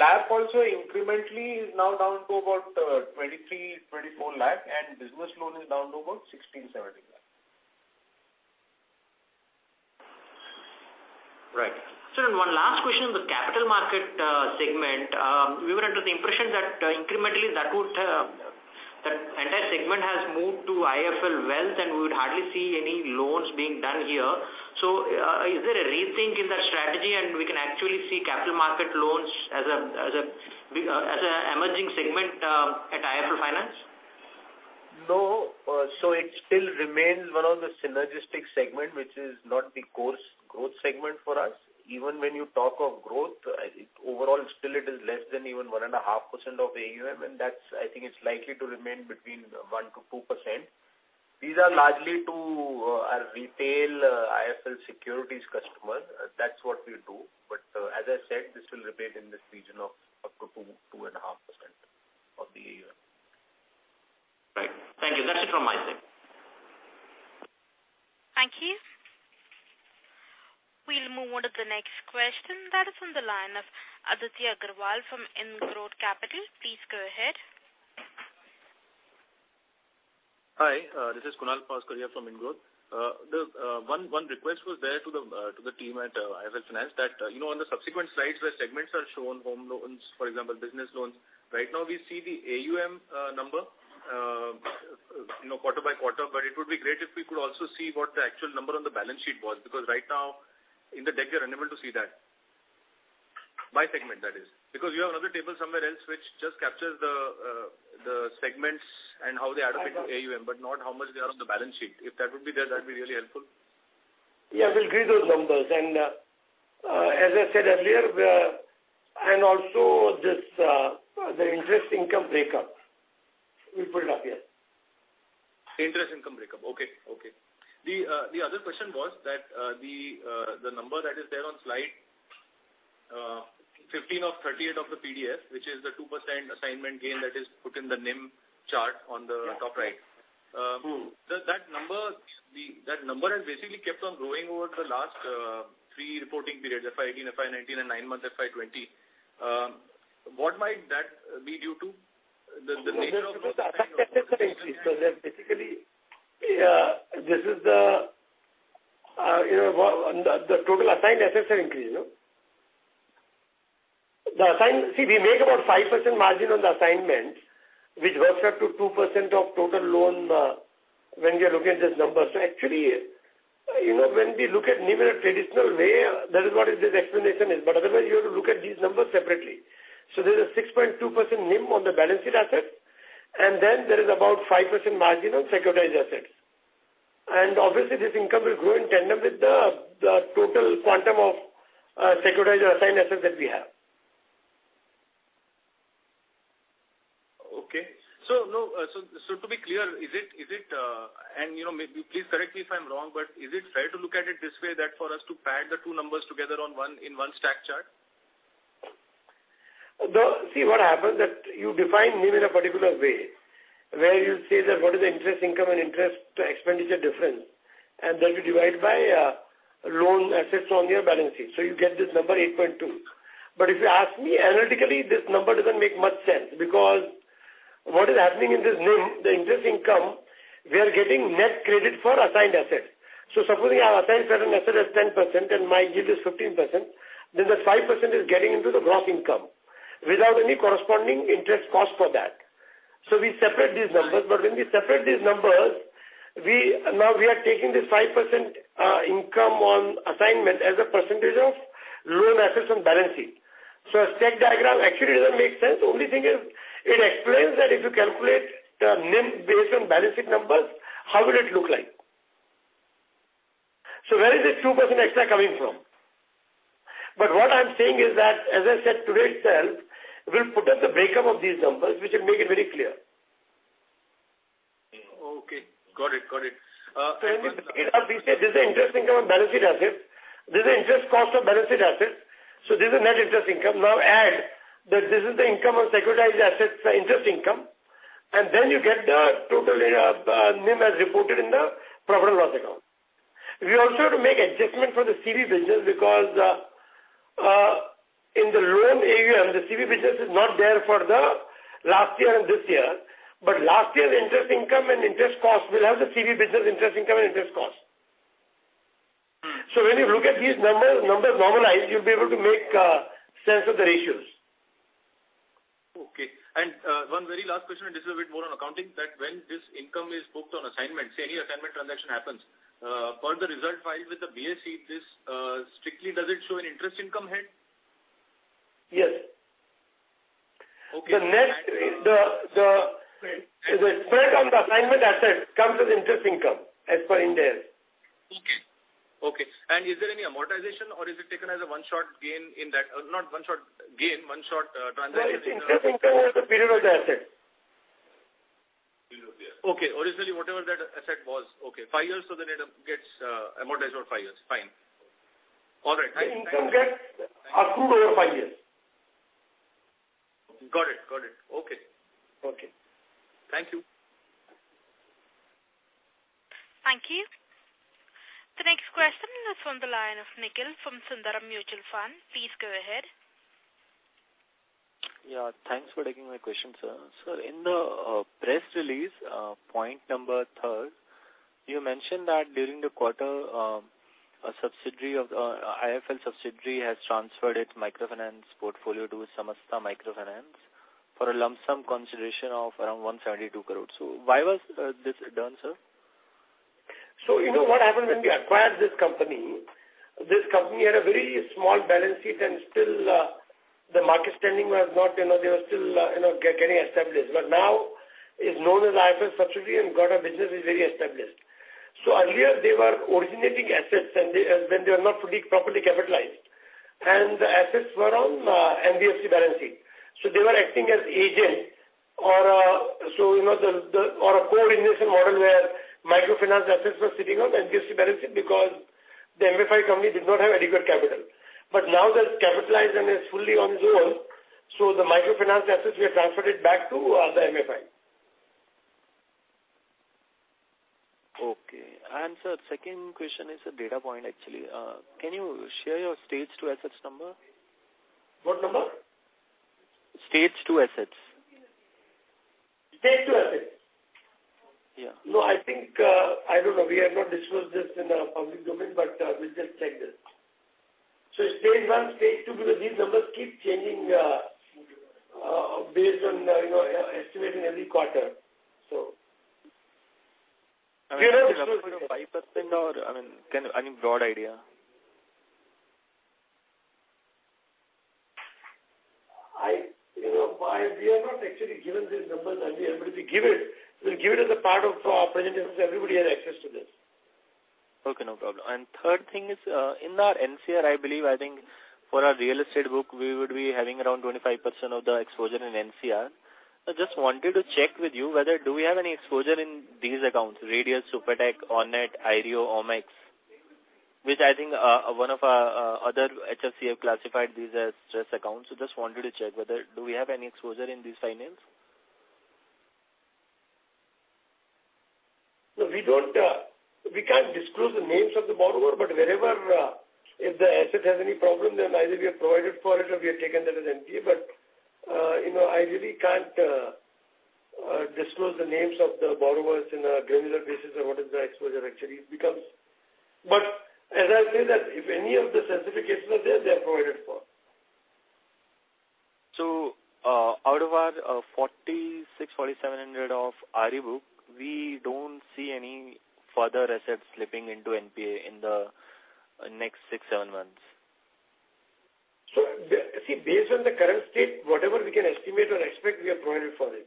LAP also incrementally is now down to about 23 lakh-24 lakh and business loan is down to about 16 lakh-17 lakh. Right. Sir, one last question on the capital market segment. We were under the impression that incrementally that entire segment has moved to IIFL Wealth and we would hardly see any loans being done here. Is there a rethink in that strategy and we can actually see capital market loans as an emerging segment at IIFL Finance? No. It still remains one of the synergistic segment which is not the core growth segment for us. Even when you talk of growth, overall still it is less than even 1.5% of AUM and that I think is likely to remain between 1%-2%. These are largely to our retail IIFL Securities customer. That's what we do. As I said, this will remain in this region of up to 2.5% of the AUM. Right. Thank you. That's it from my side. Thank you. We'll move on to the next question that is on the line of Aditya Agrawal from Indgrowth Capital. Please go ahead. Hi, this is Kunal Pawaskar from Indgrowth. One request was there to the team at IIFL Finance that on the subsequent slides where segments are shown, home loans, for example, business loans, right now we see the AUM number quarter-by-quarter, but it would be great if we could also see what the actual number on the balance sheet was because right now in the deck we are unable to see that. By segment, that is. You have another table somewhere else which just captures the segments and how they add up into AUM but not how much they are on the balance sheet. If that would be there, that would be really helpful. Yeah, we'll give those numbers and as I said earlier, and also the interest income breakup. We'll put it up, yes. Interest income breakup. Okay. The other question was that the number that is there on slide 15 of 38 of the PDF, which is the 2% assignment gain that is put in the NIM chart on the top right. Yes. That number has basically kept on growing over the last three reporting periods, FY 2018, FY 2019 and nine months FY 2020. What might that be due to? Basically, the total assigned assets have increased, no? See, we make about 5% margin on the assignments which works up to 2% of total loan when we are looking at this number. Actually, when we look at NIM in a traditional way, that is what this explanation is but otherwise you have to look at these numbers separately. There's a 6.2% NIM on the balance sheet asset and then there is about 5% margin on securitized assets. Obviously this income will grow in tandem with the total quantum of securitized or assigned assets that we have. Okay. To be clear, and please correct me if I'm wrong, but is it fair to look at it this way that for us to pad the two numbers together in one stack chart? See what happens that you define NIM in a particular way where you say that what is the interest income and interest expenditure difference and that you divide by loan assets on your balance sheet. You get this number 8.2%. If you ask me analytically this number doesn't make much sense because what is happening in this NIM, the interest income, we are getting net credit for assigned assets. Supposing I assigned certain asset as 10% and my yield is 15%, then that 5% is getting into the gross income without any corresponding interest cost for that. We separate these numbers but when we separate these numbers, now we are taking this 5% income on assignment as a percentage of loan assets on balance sheet. A stack diagram actually doesn't make sense. Only thing is it explains that if you calculate the NIM based on balance sheet numbers, how will it look like? Where is this 2% extra coming from? What I'm saying is that as I said today itself, we'll put up the breakup of these numbers which will make it very clear. When you look at it, this is the interest income on balance sheet asset. This is interest cost of balance sheet asset. This is net interest income. Add, this is the income on securitized assets, the interest income, you get the total NIM as reported in the profit and loss account. We also have to make adjustment for the CV business because in the loan area, the CV business is not there for the last year and this year. Last year, the interest income and interest cost will have the CV business interest income and interest cost. When you look at these numbers normalized, you'll be able to make sense of the ratios. Okay. One very last question, and this is a bit more on accounting, that when this income is booked on assignment, say any assignment transaction happens, per the result file with the BSE, strictly does it show an interest income hit? Yes. Okay. The spread on the assignment asset comes as interest income as per Ind AS. Okay. Is there any amortization or is it taken as a one-shot gain in that? Not one-shot gain, one-shot transaction. There is amortization over the period of the asset. Period of the asset. Okay. Originally, whatever that asset was. Okay. Five years, so then it gets amortized over five years. Fine. All right. The income gets accrued over five years. Got it. Okay. Okay. Thank you. Thank you. The next question is from the line of Nikhil from Sundaram Mutual Fund. Please go ahead. Yeah. Thanks for taking my question, sir. In the press release, point number third, you mentioned that during the quarter, IIFL subsidiary has transferred its microfinance portfolio to Samasta Microfinance for a lump sum consideration of around 172 crore. Why was this done, sir? You know what happened when we acquired this company, this company had a very small balance sheet, and still the market standing, they were still getting established. Now it's known as IIFL subsidiary and business is very established. Earlier they were originating assets when they were not fully properly capitalized, and the assets were on NBFC balance sheet. They were acting as agent or a co-origination model where microfinance assets were sitting on NBFC balance sheet because the MFI company did not have adequate capital. Now that it's capitalized and is fully on its own, the microfinance assets we have transferred it back to the MFI. Okay. Sir, second question is a data point actually. Can you share your Stage 2 assets number? What number? Stage 2 assets. Stage 2 assets? Yeah. No, I think, I don't know. We have not disclosed this in a public domain, but we'll just check this. Stage 1, Stage 2, because these numbers keep changing based on estimating every quarter. I mean, is it above 5% or, I mean, any broad idea? We have not actually given these numbers, but if we give it, we will give it as a part of our presentation since everybody has access to this. Okay, no problem. Third thing is, in our NCR, I believe, I think for our real estate book, we would be having around 25% of the exposure in NCR. I just wanted to check with you whether do we have any exposure in these accounts, Radius, Supertech, Ornate, Ireo, Omaxe, which I think one of our other HFC have classified these as stress accounts. Just wanted to check whether do we have any exposure in these finance? We can't disclose the names of the borrower, wherever if the asset has any problem, then either we have provided for it or we have taken that as NPA. I really can't disclose the names of the borrowers in a granular basis or what is the exposure actually. As I said, that if any of the specific cases are there, they are provided for. Out of our 4,600 crores, 4,700 crores of RE book, we don't see any further assets slipping into NPA in the next six, seven months. See, based on the current state, whatever we can estimate or expect, we have provided for it.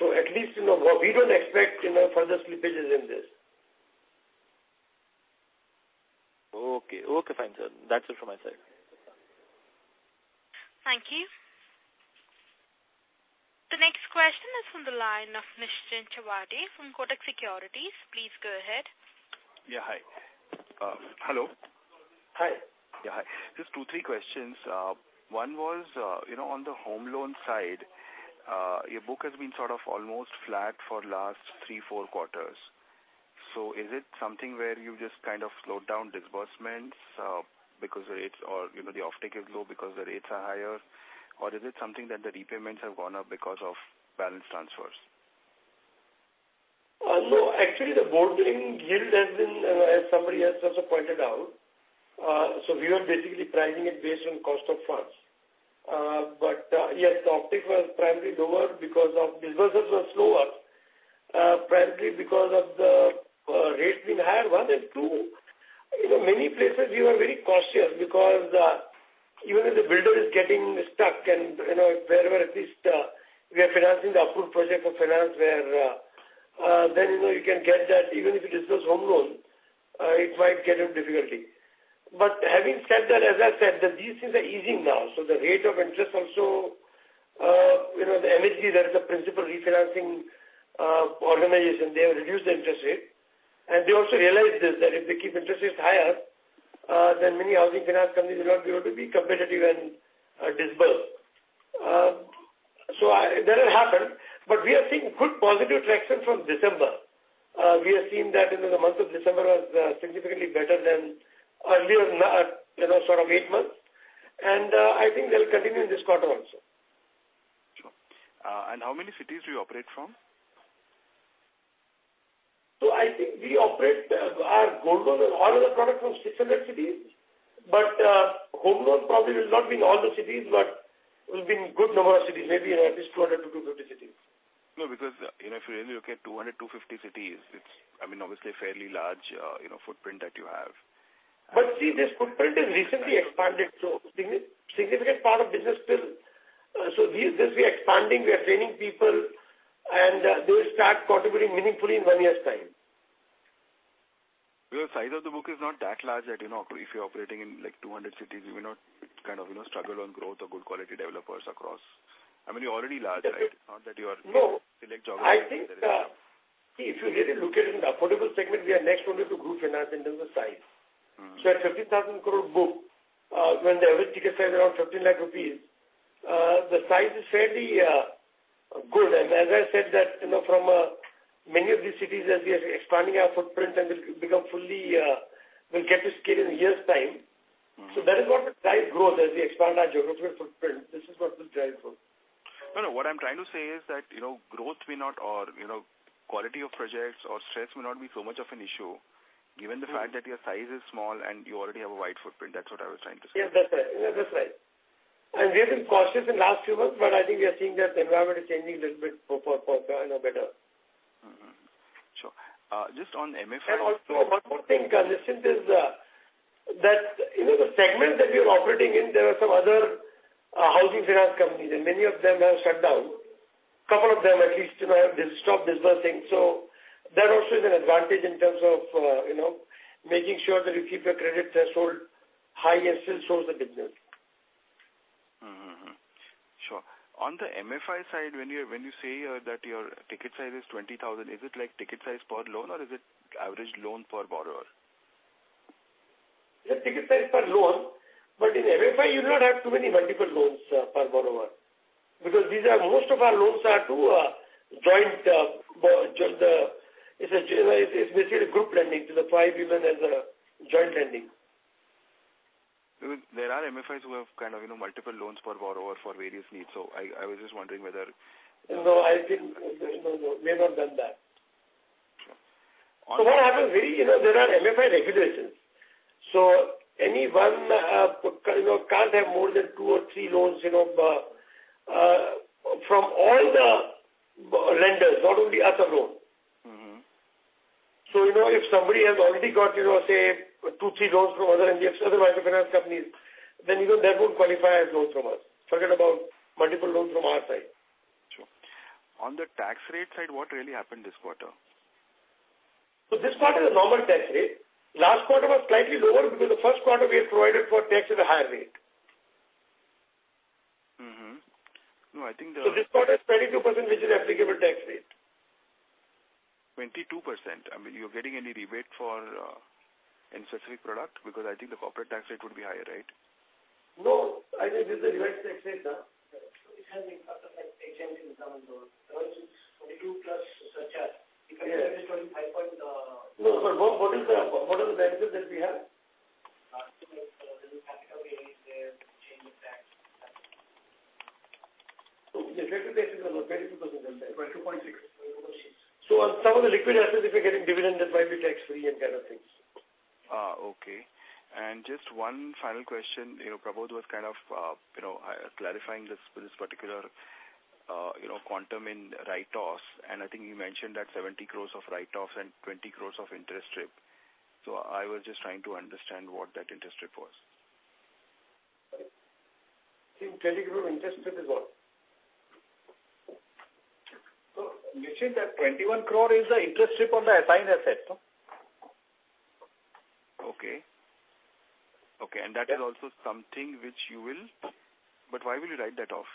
At least we don't expect further slippages in this. Okay. Fine, sir. That's it from my side. Thank you. The next question is from the line of Nischint Chawathe from Kotak Securities. Please go ahead. Yeah, hi. Hello. Hi. Yeah, hi. Just two, three questions. One was, on the home loan side, your book has been sort of almost flat for last three, four quarters. Is it something where you just kind of slowed down disbursements because the off take is low because the rates are higher or is it something that the repayments have gone up because of balance transfers? No. Actually, the borrowing yield, as somebody else also pointed out, so we were basically pricing it based on cost of funds. Yes, the offtake was primarily lower because of disbursements were slower, primarily because of the rates being higher, one, and two, many places we were very cautious because even if the builder is getting stuck and wherever at least we are financing the approved project for finance where then you can get that even if you disperse home loan, it might get in difficulty. Having said that, as I said, these things are easing now, so the rate of interest also. The NHB, that is the principal refinancing organization, they have reduced the interest rate, and they also realized this, that if they keep interest rates higher, then many housing finance companies will not be able to be competitive and disburse. That has happened. We are seeing good positive traction from December. We are seeing that the month of December was significantly better than earlier sort of eight months, and I think that will continue in this quarter also. Sure. How many cities do you operate from? I think we operate our gold loan and all other products from six cities, but home loans probably will not be in all the cities, but will be in good number of cities, maybe at least 200-250 cities. No, because if you really look at 200, 250 cities, it's obviously a fairly large footprint that you have. See, this footprint is recently expanded, significant part of business still. This, we are expanding, we are training people, and they will start contributing meaningfully in one year's time. Size of the book is not that large that if you're operating in 200 cities, you may not kind of struggle on growth or good quality developers across. I mean, you're already large, right? No. Select geography. I think, if you really look at it, in the affordable segment, we are next only to Gruh Finance in terms of size. At 50,000 crore book, when the average ticket size is around 15 lakh rupees, the size is fairly good. As I said that from many of these cities, as we are expanding our footprint and will get to scale in a year's time. That is what the size growth as we expand our geographical footprint. This is what will drive growth. No, what I'm trying to say is that growth may not, or quality of projects or stress may not be so much of an issue given the fact that your size is small and you already have a wide footprint. That is what I was trying to say. Yes, that's right. We have been cautious in last few months, but I think we are seeing that the environment is changing little bit Mm-hmm. Sure. Just on MFI. Also one more thing, Nischint, is that the segment that we are operating in, there are some other housing finance companies, and many of them have shut down. A couple of them at least have stopped disbursing. That also is an advantage in terms of making sure that you keep your credit threshold high and still grow the business. Mm-hmm. Sure. On the MFI side, when you say that your ticket size is 20,000, is it like ticket size per loan or is it average loan per borrower? Yes, ticket size per loan, but in MFI, you will not have too many multiple loans per borrower. Because most of our loans are joint. It's basically a group lending. The five women as a joint lending. There are MFIs who have kind of multiple loans per borrower for various needs. No, I think we have not done that. Sure. What happens, there are MFI regulations. Anyone can't have more than two or three loans from all the lenders, not only other loans. If somebody has already got, say, two, three loans from other NBFCs, other microfinance companies, then they won't qualify as loans from us. Forget about multiple loans from our side. Sure. On the tax rate side, what really happened this quarter? This quarter is a normal tax rate. Last quarter was slightly lower because the first quarter we had provided for tax at a higher rate. Mm-hmm. No, I think. This quarter is 22%, which is applicable tax rate. 22%? I mean, you're getting any rebate for any specific product because I think the corporate tax rate would be higher, right? No, I think this is the right tax rate. It has the effect of exempt income. It's 22%+ surcharge. If I remember, it's 25%. No, what is the benefit that we have? The effective tax is 22%. 22.6%. On some of the liquid assets, if you're getting dividend, that might be tax-free and kind of things. Okay. Just one final question. Prabodh was kind of clarifying this particular quantum in write-offs. I think he mentioned that 70 crores of write-offs and 20 crores interest strip. i was just trying to understand what interest strip was. I think INR 20 interest strip is what? Nischint, that 21 crore is interest strip on the assigned asset. Okay. Why will you write that off?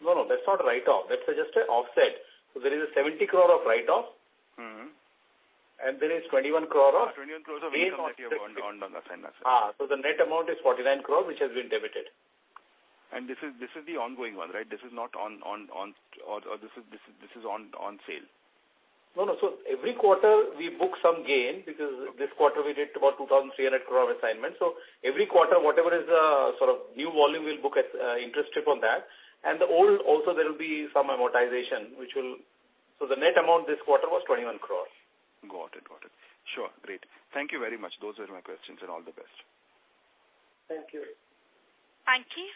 No, that's not a write-off. That's just an offset. There is a 70 crore of write-off. There is 21 crore. 21 crores of income that you have earned on the assignment. Yes. The net amount is 49 crore, which has been debited. This is the ongoing one, right? This is not on sale. No. Every quarter we book some gain because this quarter we did about 2,300 crore assignment. Every quarter, whatever is sort of new volume, we'll interest strip on that. The old also, there will be some amortization. The net amount this quarter was 21 crore. Got it. Sure. Great. Thank you very much. Those were my questions, and all the best. Thank you. Thank you.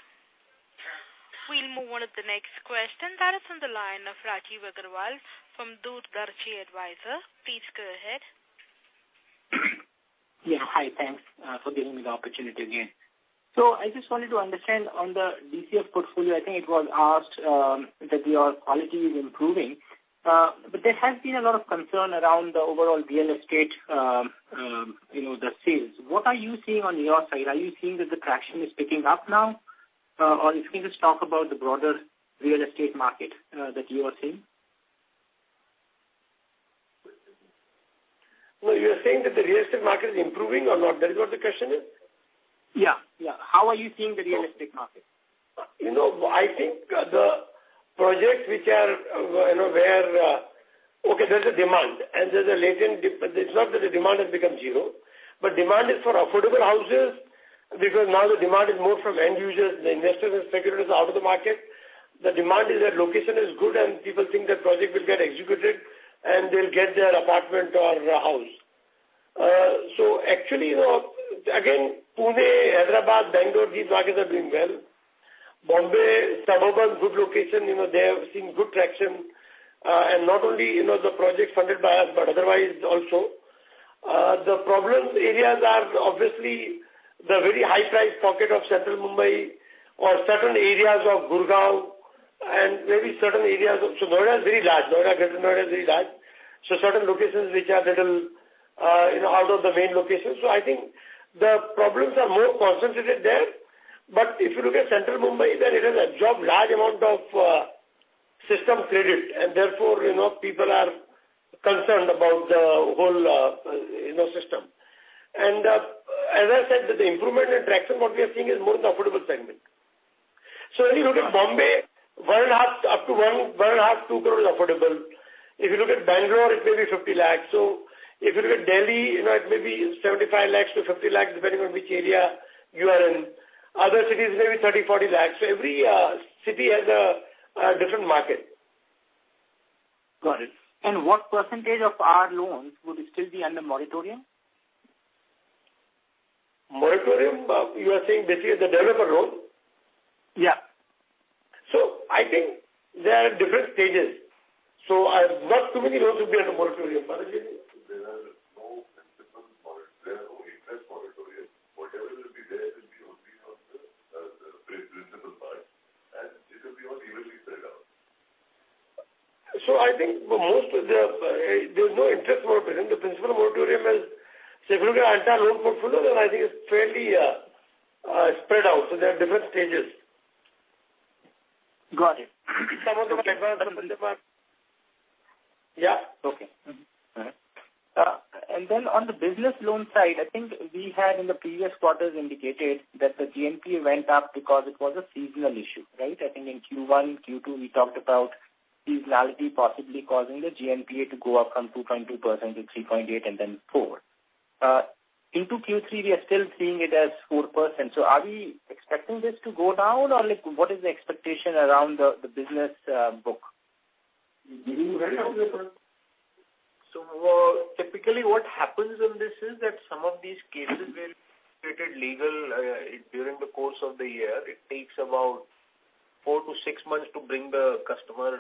We'll move on to the next question. That is on the line of Rajeev Agrawal from DoorDarshi Advisors. Please go ahead. Yeah, hi. Thanks for giving me the opportunity again. I just wanted to understand on the DCF portfolio, I think it was asked that your quality is improving. But there has been a lot of concern around the overall real estate, the sales. What are you seeing on your side? Are you seeing that the traction is picking up now? If you can just talk about the broader real estate market that you are seeing. Well, you're saying that the real estate market is improving or not? That is what the question is? Yeah. How are you seeing the real estate market? I think the projects which are where, okay, there's a demand and there's a latent demand. Demand is for affordable houses because now the demand is more from end users. The investors and speculators are out of the market. The demand is that location is good, and people think that project will get executed and they'll get their apartment or house. Actually, again, Pune, Hyderabad, Bangalore, these markets are doing well. Bombay, suburban, good location, they have seen good traction. Not only the projects funded by us, but otherwise also. The problem areas are obviously the very high-priced pocket of central Mumbai or certain areas of Gurgaon and maybe certain areas of Noida is very large. Greater Noida is very large. Certain locations which are little out of the main location. I think the problems are more concentrated there. If you look at central Mumbai, then it has absorbed large amount of system credit and therefore, people are concerned about the whole system. As I said, the improvement and traction what we are seeing is more in the affordable segment. If you look at Bombay, up to 1.5 crore, 2 crore is affordable. If you look at Bangalore, it may be 50 lakhs. If you look at Delhi, it may be 75 lakhs to 50 lakhs depending on which area you are in. Other cities may be 30 lakhs, 40 lakhs. Every city has a different market. Got it. What percentage of our loans would still be under moratorium? Moratorium, you are saying basically the developer loan? Yeah. I think they are at different stages. Not too many loans will be under moratorium. Balaji. There are no interest moratorium. Whatever will be there will be only from the principal part, and it will be all evenly spread out. I think there's no interest moratorium. The principal moratorium is, say, if you look at our entire loan portfolio, I think it's fairly spread out. They're at different stages. Got it. On the business loan side, I think we had in the previous quarters indicated that the GNPA went up because it was a seasonal issue, right? I think in Q1, Q2, we talked about seasonality possibly causing the GNPA to go up from 2.2% to 3.8% and then 4%. Into Q3, we are still seeing it as 4%. Are we expecting this to go down or what is the expectation around the business book? We will get out of this one. Typically, what happens in this is that some of these cases were treated legal during the course of the year, it takes about four to six months to bring the customer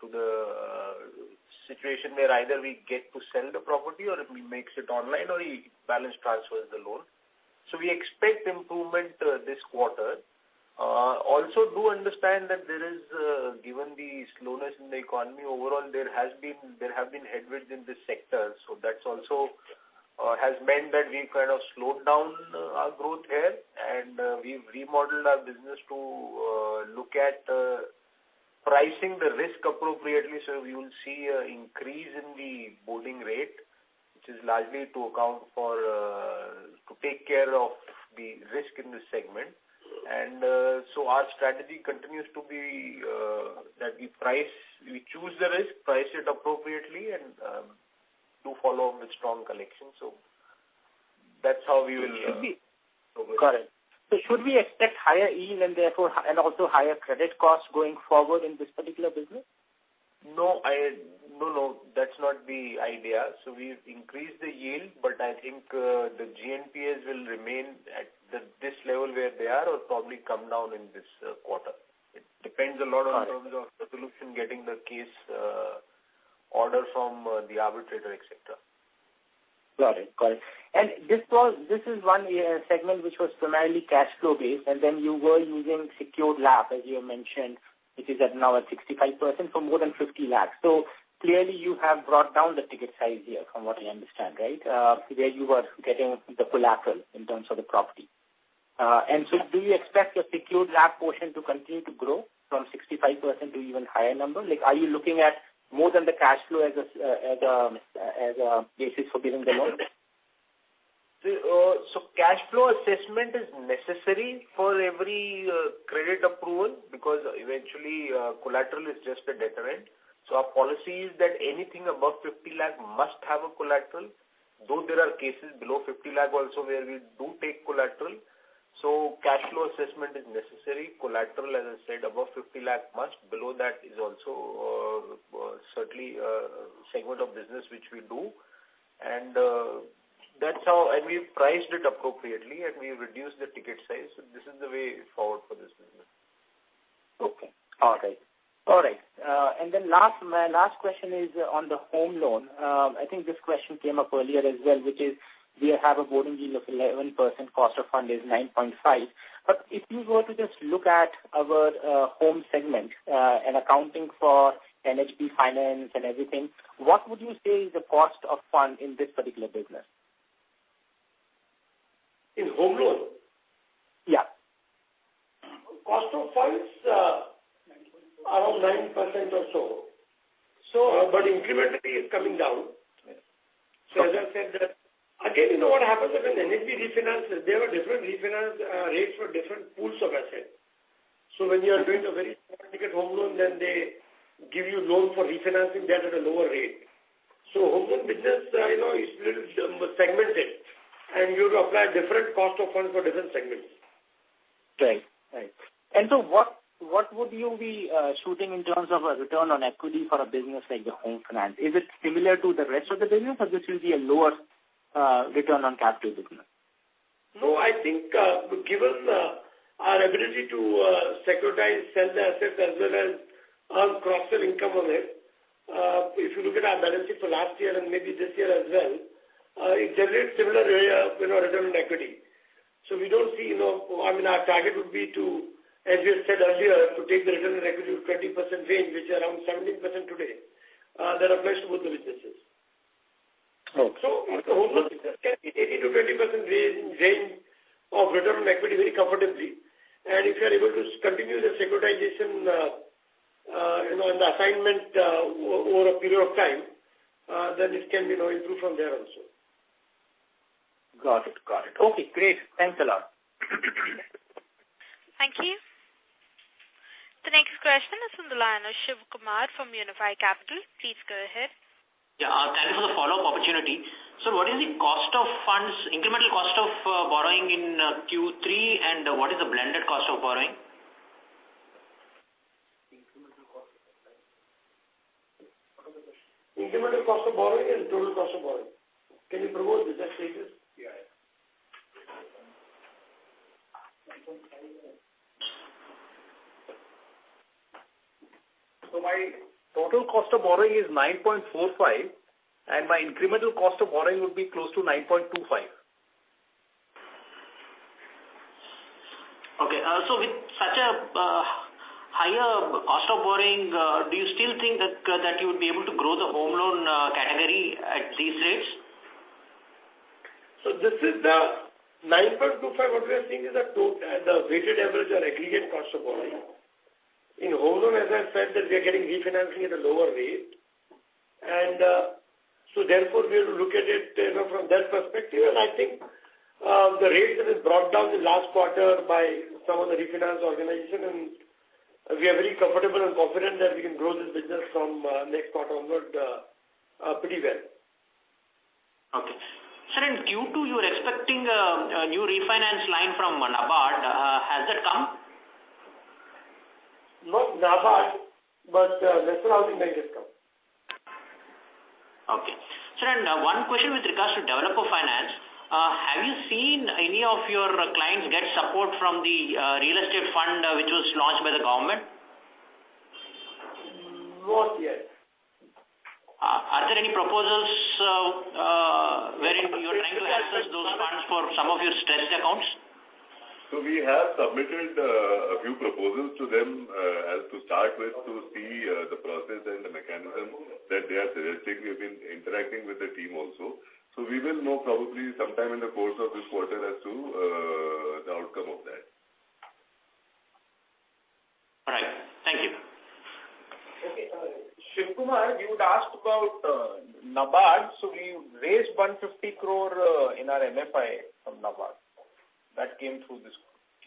to the situation where either we get to sell the property or he makes it online, or he balance transfers the loan. We expect improvement this quarter. Also do understand that given the slowness in the economy overall, there have been headwinds in this sector. That also has meant that we've kind of slowed down our growth there and we've remodeled our business to look at pricing the risk appropriately. You will see an increase in the boarding rate, which is largely to take care of the risk in this segment. Our strategy continues to be that we choose the risk, price it appropriately, and do follow up with strong collection. That's how. Got it. Should we expect higher yield and also higher credit costs going forward in this particular business? No, that's not the idea. We've increased the yield, but I think the GNPA will remain at this level where they are or probably come down in this quarter. It depends a lot on terms of resolution getting the case order from the arbitrator, et cetera. Got it. This is one segment which was primarily cash flow-based, then you were using secured LAP as you mentioned, which is now at 65% for more than 50 lakhs. Clearly you have brought down the ticket size here from what I understand, right? Where you were getting the collateral in terms of the property. Do you expect your secured LAP portion to continue to grow from 65% to even higher number? Are you looking at more than the cash flow as a basis for giving the loan? Cash flow assessment is necessary for every credit approval because eventually collateral is just a deterrent. Our policy is that anything above 50 lakhs must have a collateral, though there are cases below 50 lakhs also where we do take collateral. Cash flow assessment is necessary. Collateral, as I said, above 50 lakhs must. Below that is also certainly a segment of business which we do. We've priced it appropriately and we've reduced the ticket size. This is the way forward for this business. Okay. All right. My last question is on the home loan. I think this question came up earlier as well, which is we have a boarding yield of 11%, cost of fund is 9.5%. If you were to just look at our home segment and accounting for NHB finance and everything, what would you say is the cost of fund in this particular business? In home loan? Yeah. Cost of funds, around 9% or so. Incrementally, it's coming down. Yes. As I said that, again, you know what happens is when NBFC refinance, there were different refinance rates for different pools of assets. When you are doing a very small ticket home loan, then they give you loan for refinancing that at a lower rate. Home loan business is a little segmented, and you apply different cost of funds for different segments. Right. What would you be shooting in terms of a return on equity for a business like the Home Finance? Is it similar to the rest of the business, or this will be a lower return on capital business? I think given our ability to securitize, sell the assets as well as earn cross-sell income on it, if you look at our balance sheet for last year and maybe this year as well, it generates similar return on equity. Our target would be to, as we have said earlier, to take the return on equity to 20% range, which is around 17% today. That applies to both the businesses. Okay. Home loan business can hit 18%-20% range of return on equity very comfortably. If you are able to continue the securitization and the assignment over a period of time, then it can improve from there also. Got it. Okay, great. Thanks a lot. Thank you. The next question is from the line, Shiv Kumar from Unifi Capital. Please go ahead. Yeah. Thank you for the follow-up opportunity. Sir, what is the cost of funds, incremental cost of borrowing in Q3, and what is the blended cost of borrowing? Incremental cost of borrowing and total cost of borrowing. Can you, Prabodh, takes this? Yeah. My total cost of borrowing is 9.45%, and my incremental cost of borrowing would be close to 9.25%. Okay. With such a higher cost of borrowing, do you still think that you would be able to grow the home loan category at these rates? This is the 9.25%, what we are seeing is the weighted average or aggregate cost of borrowing. In home loan, as I said that we are getting refinancing at a lower rate. Therefore, we will look at it from that perspective, and I think the rates that has brought down the last quarter by some of the refinance organization, and we are very comfortable and confident that we can grow this business from next quarter onward pretty well. Okay. Sir, Q2, you were expecting a new refinance line from NABARD. Has that come? Not NABARD, but the Okay. Sir, one question with regards to developer finance. Have you seen any of your clients get support from the real estate fund which was launched by the government? Not yet. Are there any proposals wherein you are trying to access those funds for some of your stressed accounts? We have submitted a few proposals to them as to start with to see the process and the mechanism that they are suggesting. We've been interacting with their team also. We will know probably sometime in the course of this quarter as to the outcome of that. All right. Thank you. Okay. Shiv Kumar, you had asked about NABARD. We raised 150 crore in our MFI from NABARD. That came through this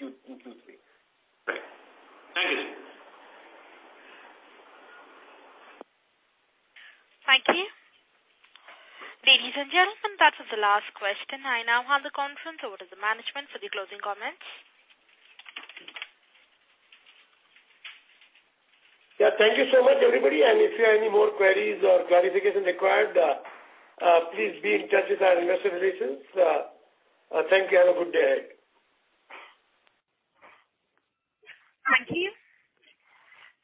in Q3. Right. Thank you. Thank you. Ladies and gentlemen, that was the last question. I now hand the conference over to the management for the closing comments. Yeah. Thank you so much, everybody, and if you have any more queries or clarification required, please be in touch with our investor relations. Thank you. Have a good day. Thank you.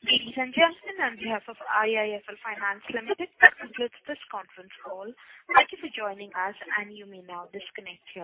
Ladies and gentlemen, on behalf of IIFL Finance Limited, that concludes this conference call. Thank you for joining us, and you may now disconnect your lines.